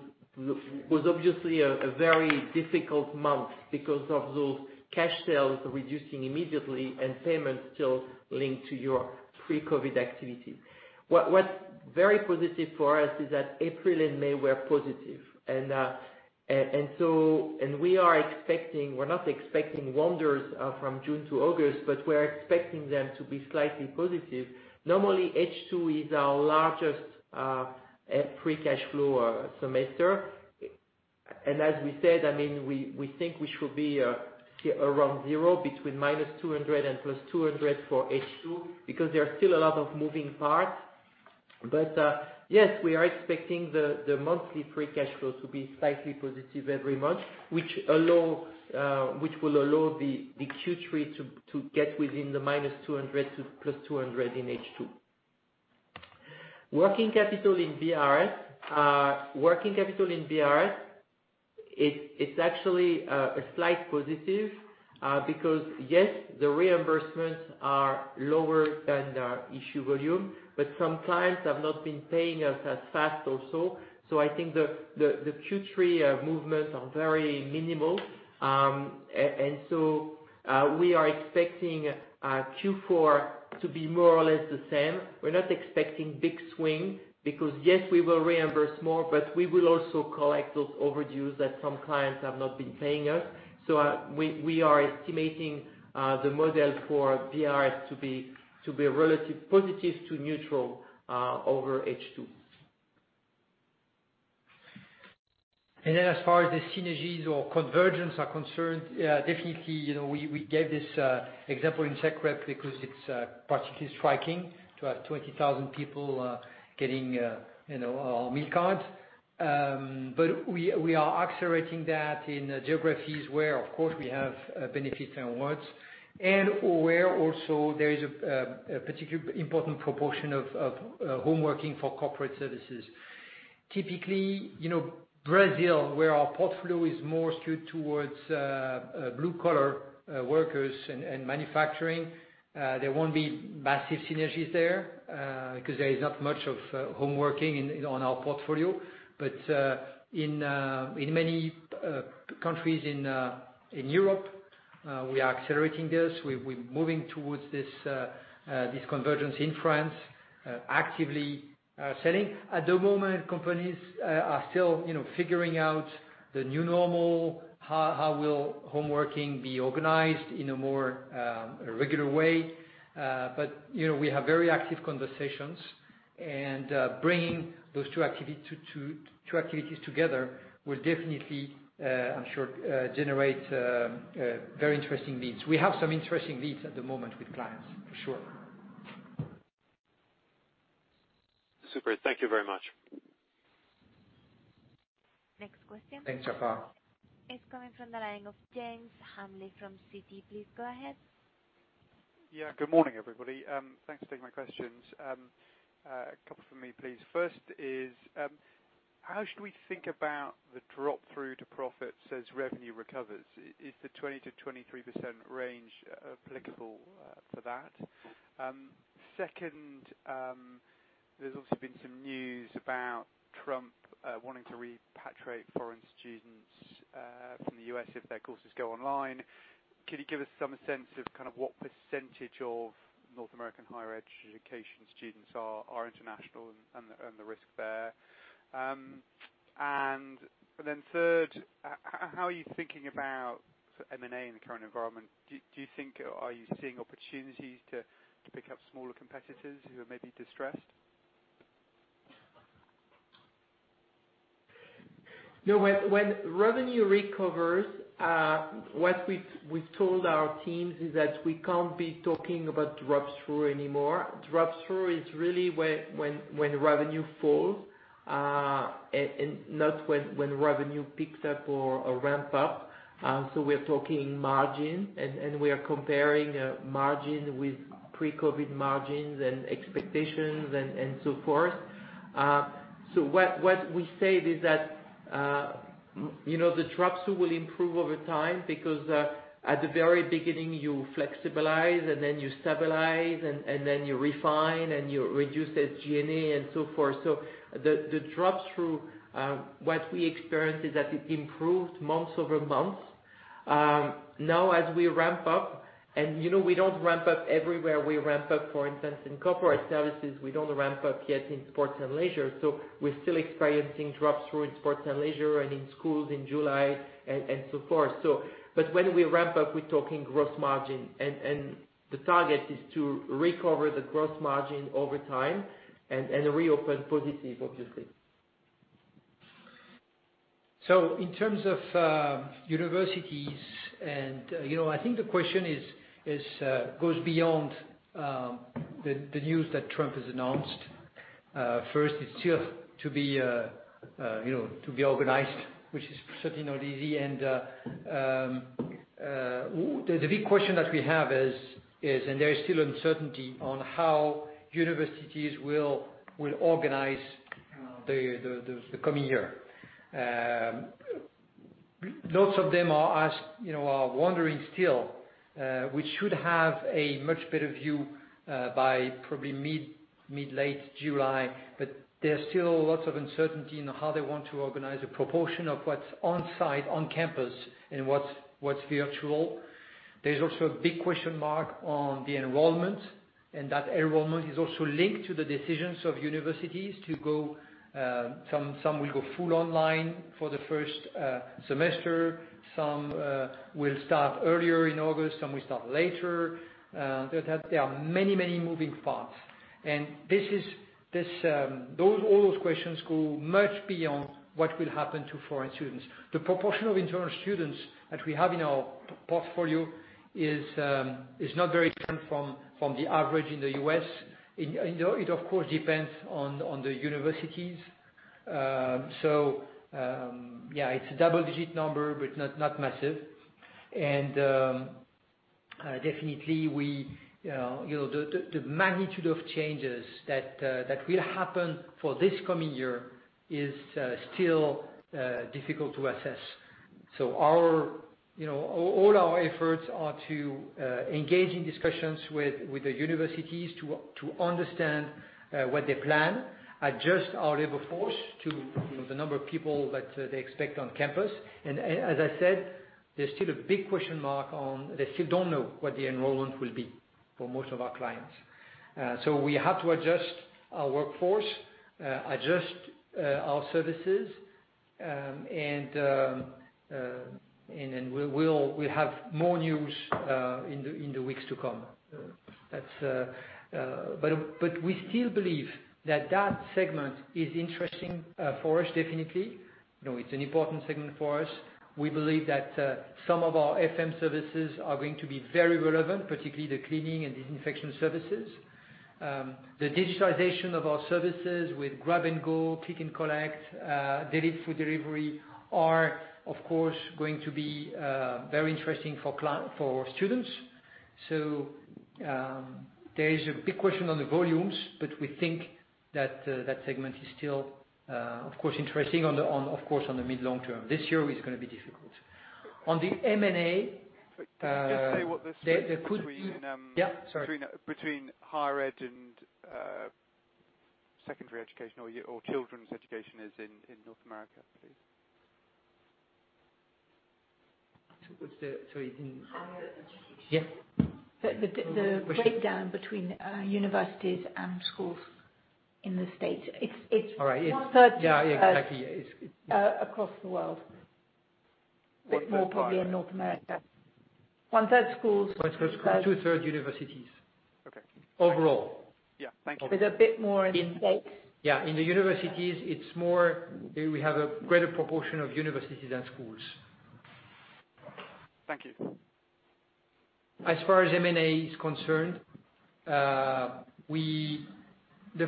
obviously a very difficult month because of those cash sales reducing immediately and payments still linked to your pre-COVID activity. What's very positive for us is that April and May were positive. We're not expecting wonders from June to August, but we're expecting them to be slightly positive. Normally, H2 is our largest free cash flow semester. As we said, we think we should be around 0, between -200 and +200 for H2 because there are still a lot of moving parts. Yes, we are expecting the monthly free cash flow to be slightly positive every month, which will allow the Q3 to get within the -200 to +200 in H2. Working capital in B&RS, it's actually a slight positive, because yes, the reimbursements are lower than our issue volume, but some clients have not been paying us as fast also. I think the Q3 movements are very minimal. We are expecting Q4 to be more or less the same. We're not expecting big swing because, yes, we will reimburse more, but we will also collect those overdues that some clients have not been paying us. We are estimating the model for B&RS to be relative positive to neutral over H2. As far as the synergies or convergence are concerned, definitely, we gave this example in Czech Republic because it's particularly striking to have 20,000 people getting our meal cards. We are accelerating that in geographies where, of course, we have Benefits & Rewards and where also there is a particular important proportion of home working for corporate services. Typically, Brazil, where our portfolio is more skewed towards blue collar workers and manufacturing, there won't be massive synergies there because there is not much of home working on our portfolio. In many countries in Europe, we are accelerating this. We're moving towards this convergence in France, actively selling. At the moment, companies are still figuring out the new normal, how will home working be organized in a more regular way. We have very active conversations and bringing those two activities together will definitely, I'm sure generate very interesting leads. We have some interesting leads at the moment with clients, for sure. Super. Thank you very much. Next question. Thanks, Sacha. It's coming from the line of James Hamley from Citi. Please go ahead. Yeah. Good morning, everybody. Thanks for taking my questions. A couple from me, please. First is, how should we think about the drop-through to profits as revenue recovers? Is the 20%-23% range applicable for that? Second, there's also been some news about Trump wanting to repatriate foreign students from the U.S. if their courses go online. Could you give us some sense of kind of what percentage of North American higher education students are international and the risk there? Then third, how are you thinking about M&A in the current environment? Are you seeing opportunities to pick up smaller competitors who are maybe distressed? When revenue recovers, what we've told our teams is that we can't be talking about drop-through anymore. Drop-through is really when revenue falls, and not when revenue picks up or ramp up. We're talking margin, and we are comparing margin with pre-COVID margins and expectations and so forth. What we said is that the drop-through will improve over time because at the very beginning, you flexibilize, and then you stabilize, and then you refine, and you reduce SG&A and so forth. The drop-through, what we experienced is that it improved month-over-month. As we ramp up, and we don't ramp up everywhere. We ramp up, for instance, in corporate services. We don't ramp up yet in sports and leisure. We're still experiencing drop-through in sports and leisure and in schools in July and so forth. When we ramp up, we're talking gross margin, and the target is to recover the gross margin over time and reopen positive, obviously. In terms of universities, I think the question goes beyond the news that Trump has announced. First, it's still to be organized, which is certainly not easy. The big question that we have is, and there is still uncertainty on how universities will organize the coming year. Lots of them are wondering still, we should have a much better view by probably mid, late July, but there's still lots of uncertainty in how they want to organize a proportion of what's on-site, on campus and what's virtual. There's also a big question mark on the enrollment, and that enrollment is also linked to the decisions of universities. Some will go full online for the first semester. Some will start earlier in August, some will start later. There are many moving parts. All those questions go much beyond what will happen to foreign students. The proportion of international students that we have in our portfolio is not very different from the average in the U.S. It, of course, depends on the universities. Yeah, it's a double-digit number, but not massive. Definitely, the magnitude of changes that will happen for this coming year is still difficult to assess. All our efforts are to engage in discussions with the universities to understand what they plan, adjust our labor force to the number of people that they expect on campus. As I said, there's still a big question mark on, they still don't know what the enrollment will be for most of our clients. We have to adjust our workforce, adjust our services, and then we'll have more news in the weeks to come. We still believe that segment is interesting for us, definitely. It's an important segment for us. We believe that some of our FM services are going to be very relevant, particularly the cleaning and disinfection services. The digitization of our services with grab and go, click and collect, dedicated food delivery are, of course, going to be very interesting for students. There is a big question on the volumes, but we think that segment is still, of course, interesting, of course, on the mid, long term. This year is going to be difficult. Can you just say what the split- Yeah, sorry. Between higher ed and secondary education or children's education is in North America, please. Sorry, you mean. Higher education. Yeah. The breakdown between universities and schools in the States. It's one-third. Yeah, exactly. across the world. Bit more probably in North America. One-third schools, two-thirds- One-third schools, two-third universities. Okay. Overall. Yeah. Thank you. There's a bit more in the States. Yeah, in the universities, we have a greater proportion of universities than schools. Thank you. As far as M&A is concerned, the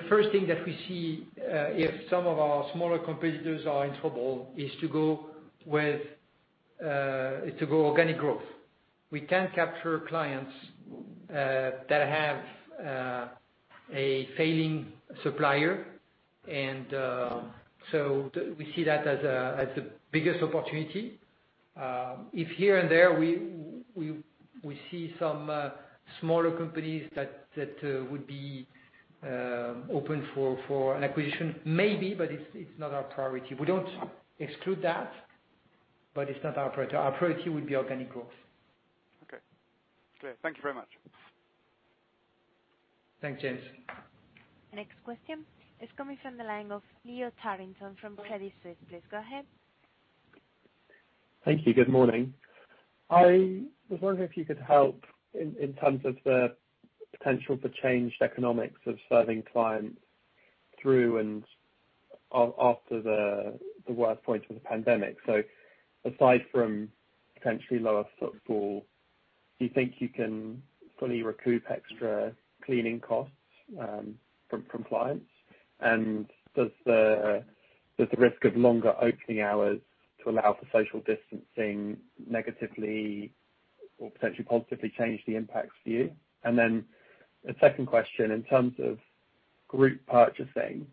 first thing that we see, if some of our smaller competitors are in trouble, is to go organic growth. We can capture clients that have a failing supplier. We see that as the biggest opportunity. If here and there, we see some smaller companies that would be open for an acquisition, maybe, but it's not our priority. We don't exclude that, but it's not our priority. Our priority would be organic growth. Okay, clear. Thank you very much. Thanks, James. Next question is coming from the line of Leo Carrington from Credit Suisse. Please go ahead. Thank you. Good morning. I was wondering if you could help in terms of the potential for changed economics of serving clients through and after the worst point of the pandemic. Aside from potentially lower footfall, do you think you can fully recoup extra cleaning costs from clients? Does the risk of longer opening hours to allow for social distancing negatively or potentially positively change the impacts for you? A second question, in terms of group purchasing,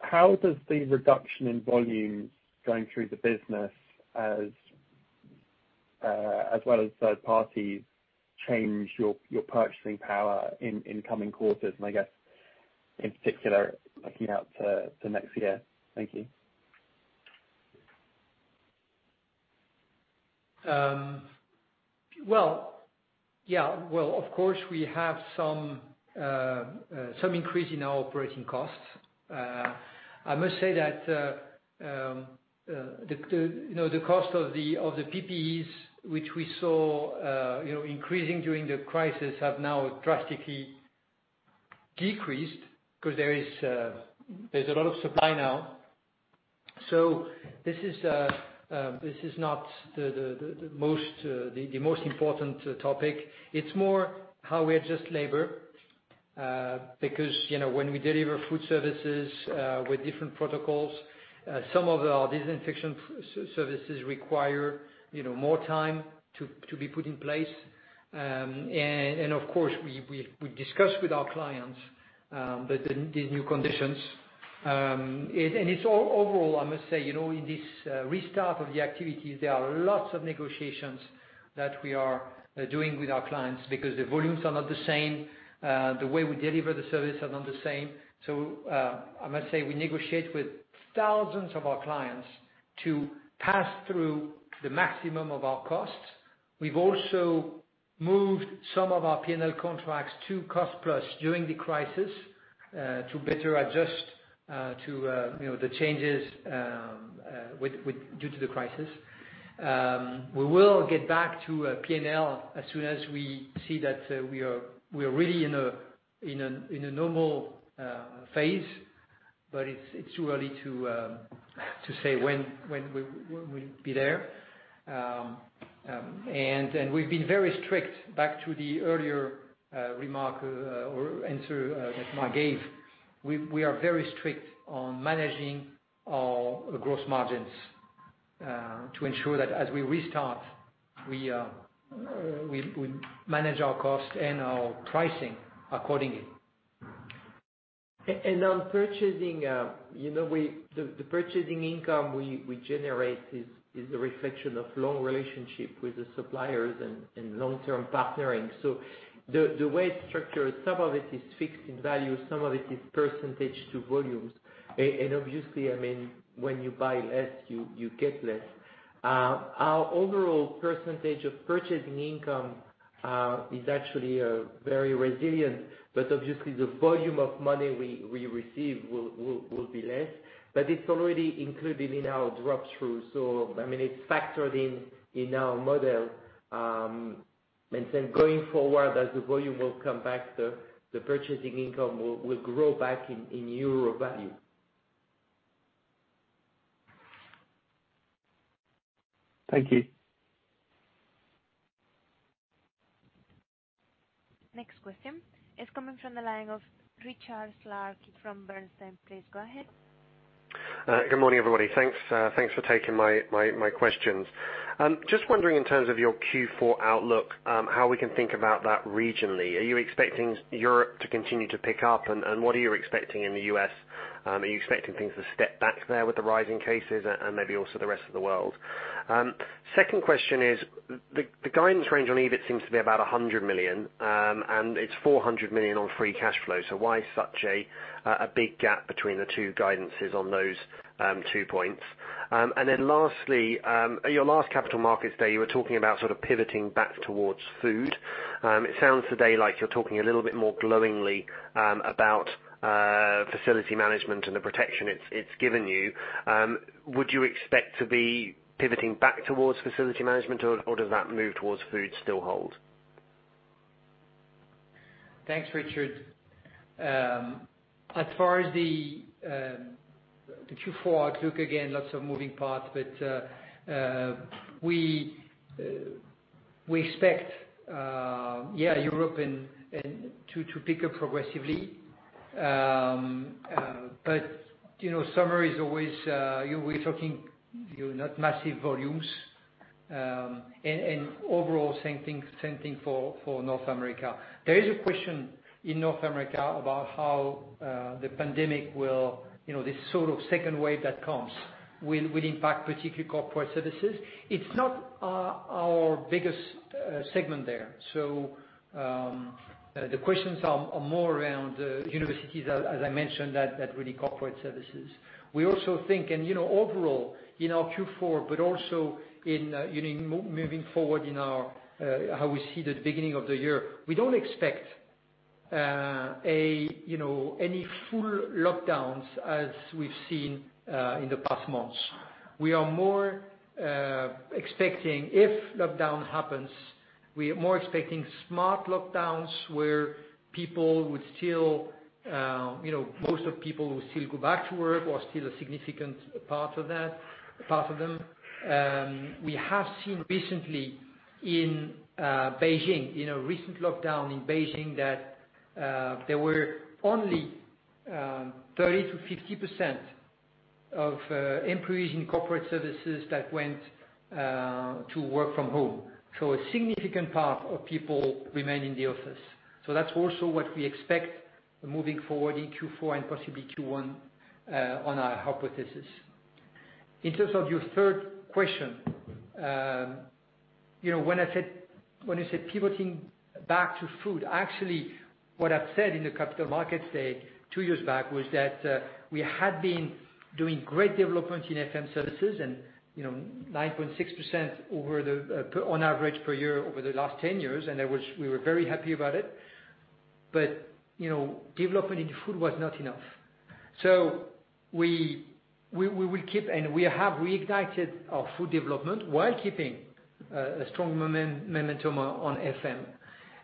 how does the reduction in volumes going through the business as well as third parties change your purchasing power in coming quarters, and I guess in particular, looking out to next year? Thank you. Of course, we have some increase in our operating costs. I must say that the cost of the PPEs, which we saw increasing during the crisis, have now drastically decreased because there's a lot of supply now. This is not the most important topic. It's more how we adjust labor, because when we deliver food services with different protocols, some of our disinfection services require more time to be put in place. Of course, we discuss with our clients these new conditions. It's overall, I must say, in this restart of the activities, there are lots of negotiations that we are doing with our clients because the volumes are not the same, the way we deliver the service are not the same. I must say, we negotiate with thousands of our clients to pass through the maximum of our costs. We've also moved some of our P&L contracts to cost-plus during the crisis, to better adjust to the changes due to the crisis. We will get back to P&L as soon as we see that we are really in a normal phase, but it's too early to say when we'll be there. We've been very strict, back to the earlier remark or answer that Marc gave. We are very strict on managing our gross margins, to ensure that as we restart, we manage our cost and our pricing accordingly. On purchasing, the purchasing income we generate is a reflection of long relationship with the suppliers and long-term partnering. The way it's structured, some of it is fixed in value, some of it is percentage to volumes. Obviously, when you buy less, you get less. Our overall percentage of purchasing income is actually very resilient, but obviously the volume of money we receive will be less. It's already included in our drop-through, so it's factored in our model. Going forward, as the volume will come back, the purchasing income will grow back in Euro value. Thank you. Next question is coming from the line of Richard Clarke from Bernstein. Please go ahead. Good morning, everybody. Thanks for taking my questions. Wondering in terms of your Q4 outlook, how we can think about that regionally. Are you expecting Europe to continue to pick up, and what are you expecting in the U.S.? Are you expecting things to step back there with the rising cases and maybe also the rest of the world? Second question is, the guidance range on EBIT seems to be about 100 million, and it's 400 million on free cash flow. Why such a big gap between the two guidances on those two points? Lastly, at your last Capital Markets Day, you were talking about sort of pivoting back towards food. It sounds today like you're talking a little bit more glowingly about facility management and the protection it's given you. Would you expect to be pivoting back towards facilities management, or does that move towards food still hold? Thanks, Richard. As far as the Q4 outlook, again, lots of moving parts, but we expect Europe to pick up progressively. Summer is always. We're talking not massive volumes. Overall, same thing for North America. There is a question in North America about how the pandemic will, this sort of second wave that comes, will impact particularly corporate services. It's not our biggest segment there. The questions are more around universities, as I mentioned, than really corporate services. We also think, and overall, in our Q4, but also in moving forward in how we see the beginning of the year, we don't expect any full lockdowns as we've seen in the past months. We are more expecting, if lockdown happens, smart lockdowns where most of people will still go back to work, or still a significant part of them. We have seen recently in Beijing, in a recent lockdown in Beijing, that there were only 30%-50% of employees in corporate services that went to work from home. A significant part of people remained in the office. That's also what we expect moving forward in Q4 and possibly Q1 on our hypothesis. In terms of your third question, when I said pivoting back to food, actually what I've said in the Capital Markets Day two years back was that we had been doing great development in FM services and 9.6% on average per year over the last 10 years, and we were very happy about it. Development in food was not enough. We will keep, and we have reignited our food development while keeping a strong momentum on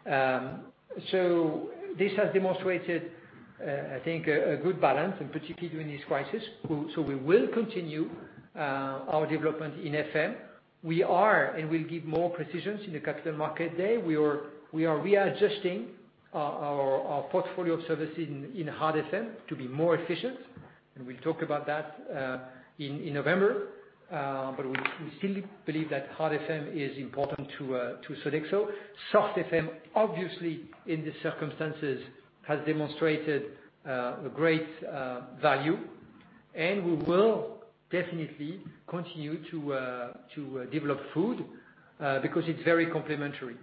FM. This has demonstrated, I think, a good balance, and particularly during this crisis. We will continue our development in FM. We are, and we'll give more precisions in the capital market day, we are readjusting our portfolio of services in hard FM to be more efficient. We'll talk about that in November. We still believe that hard FM is important to Sodexo. Soft FM, obviously in the circumstances, has demonstrated a great value, and we will definitely continue to develop food, because it's very complementary.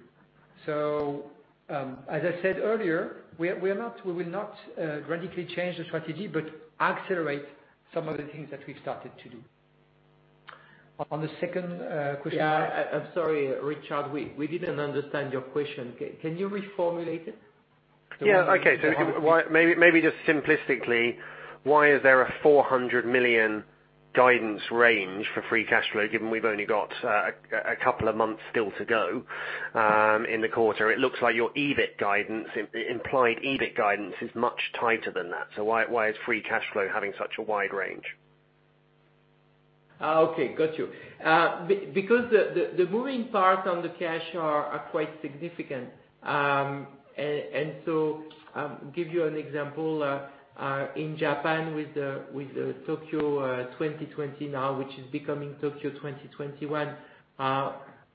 As I said earlier, we will not radically change the strategy, but accelerate some of the things that we've started to do. On the second question- Yeah. I’m sorry, Richard, we didn’t understand your question. Can you reformulate it? Yeah. Okay. Maybe just simplistically, why is there a 400 million guidance range for free cash flow, given we've only got a couple of months still to go in the quarter? It looks like your implied EBIT guidance is much tighter than that. Why is free cash flow having such a wide range? Okay, got you. The moving parts on the cash are quite significant. Give you an example, in Japan with the Tokyo 2020 now, which is becoming Tokyo 2021,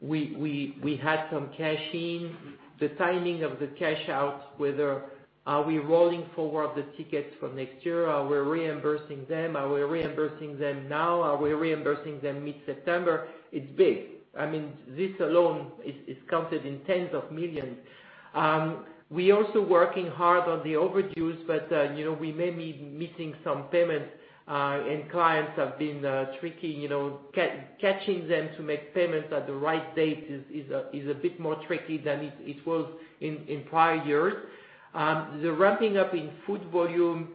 we had some cash in. The timing of the cash out, whether are we rolling forward the tickets for next year? Are we reimbursing them? Are we reimbursing them now? Are we reimbursing them mid-September? It's big. This alone is counted in tens of millions. We also working hard on the overdues, but we may be missing some payments. Clients have been tricky. Catching them to make payments at the right date is a bit more tricky than it was in prior years. The ramping up in food volume,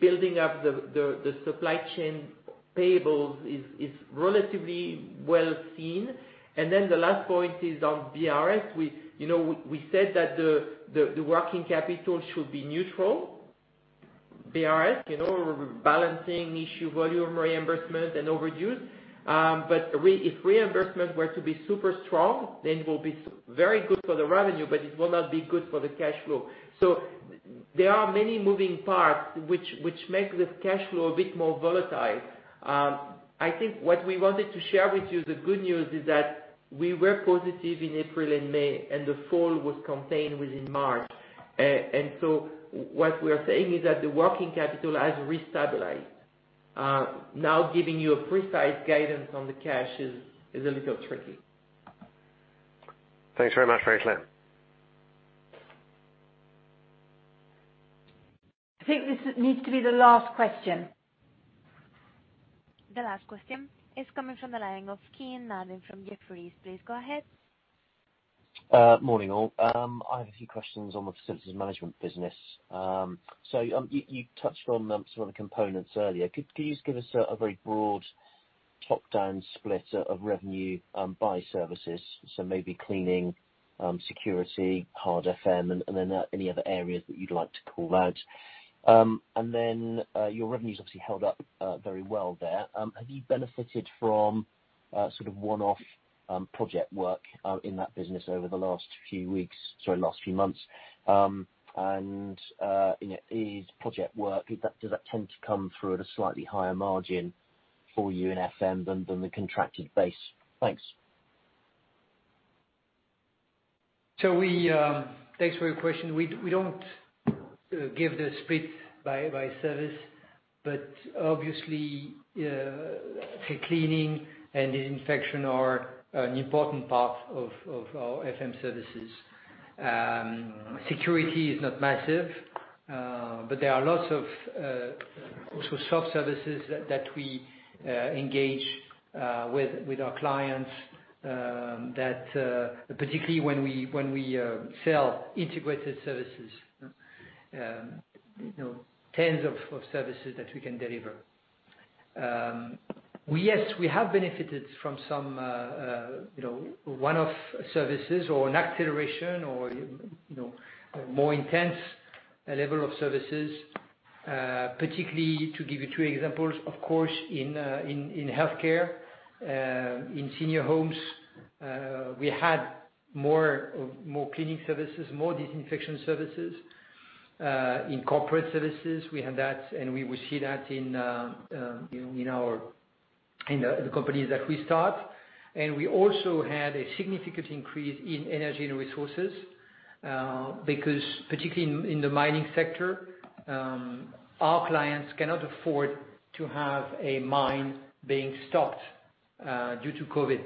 building up the supply chain payables is relatively well seen. The last point is on BRS. We said that the working capital should be neutral. BRS, balancing issue volume, reimbursement and overdues. If reimbursement were to be super strong, then it will be very good for the revenue, but it will not be good for the cash flow. There are many moving parts which make this cash flow a bit more volatile. I think what we wanted to share with you, the good news is that we were positive in April and May, and the fall was contained within March. What we are saying is that the working capital has re-stabilized. Now giving you a precise guidance on the cash is a little tricky. Thanks very much, François. I think this needs to be the last question. The last question is coming from the line of Kean Marden from Jefferies. Please go ahead. Morning, all. I have a few questions on the facilities management business. You touched on some of the components earlier. Could you please give us a very broad top-down split of revenue by services, so maybe cleaning, security, hard FM, and then any other areas that you'd like to call out? Your revenue's obviously held up very well there. Have you benefited from sort of one-off project work in that business over the last few months? Does project work tend to come through at a slightly higher margin for you in FM than the contracted base? Thanks. Thanks for your question. We don't give the split by service, but obviously, cleaning and disinfection are an important part of our FM services. Security is not massive, but there are lots of sort of soft services that we engage with our clients, that particularly when we sell integrated services, tens of services that we can deliver. Yes, we have benefited from some one-off services or an acceleration or more intense level of services. Particularly, to give you two examples, of course, in healthcare, in senior homes, we had more cleaning services, more disinfection services. We will see that in the companies that we start. We also had a significant increase in energy and resources, because particularly in the mining sector, our clients cannot afford to have a mine being stopped due to COVID.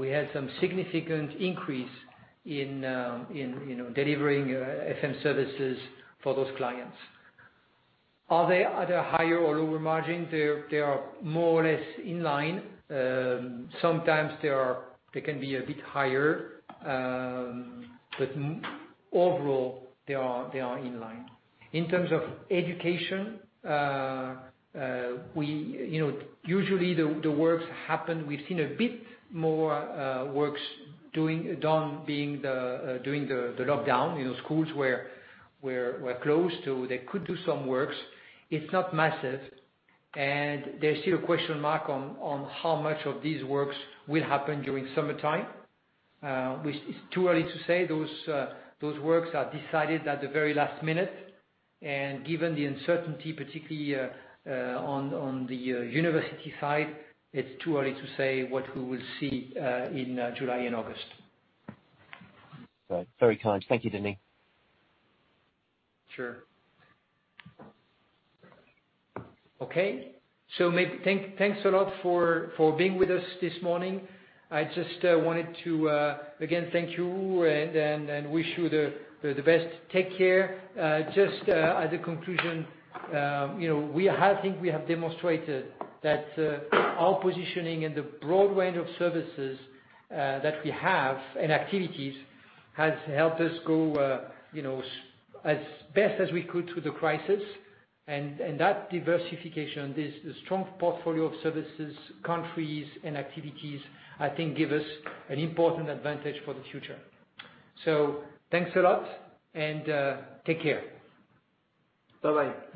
We had some significant increase in delivering FM services for those clients. Are they at a higher or lower margin? They are more or less in line. Sometimes they can be a bit higher. Overall, they are in line. In terms of education, usually the works happen. We've seen a bit more works done during the lockdown. Schools were closed, so they could do some works. It's not massive, and there's still a question mark on how much of these works will happen during summertime, which is too early to say. Those works are decided at the very last minute. Given the uncertainty, particularly on the university side, it's too early to say what we will see in July and August. Right. Very kind. Thank you, Denis. Sure. Okay. Thanks a lot for being with us this morning. I just wanted to again thank you and wish you the best. Take care. Just as a conclusion, I think we have demonstrated that our positioning and the broad range of services that we have and activities, has helped us go as best as we could through the crisis. That diversification, this strong portfolio of services, countries, and activities, I think give us an important advantage for the future. Thanks a lot, and take care. Bye-bye.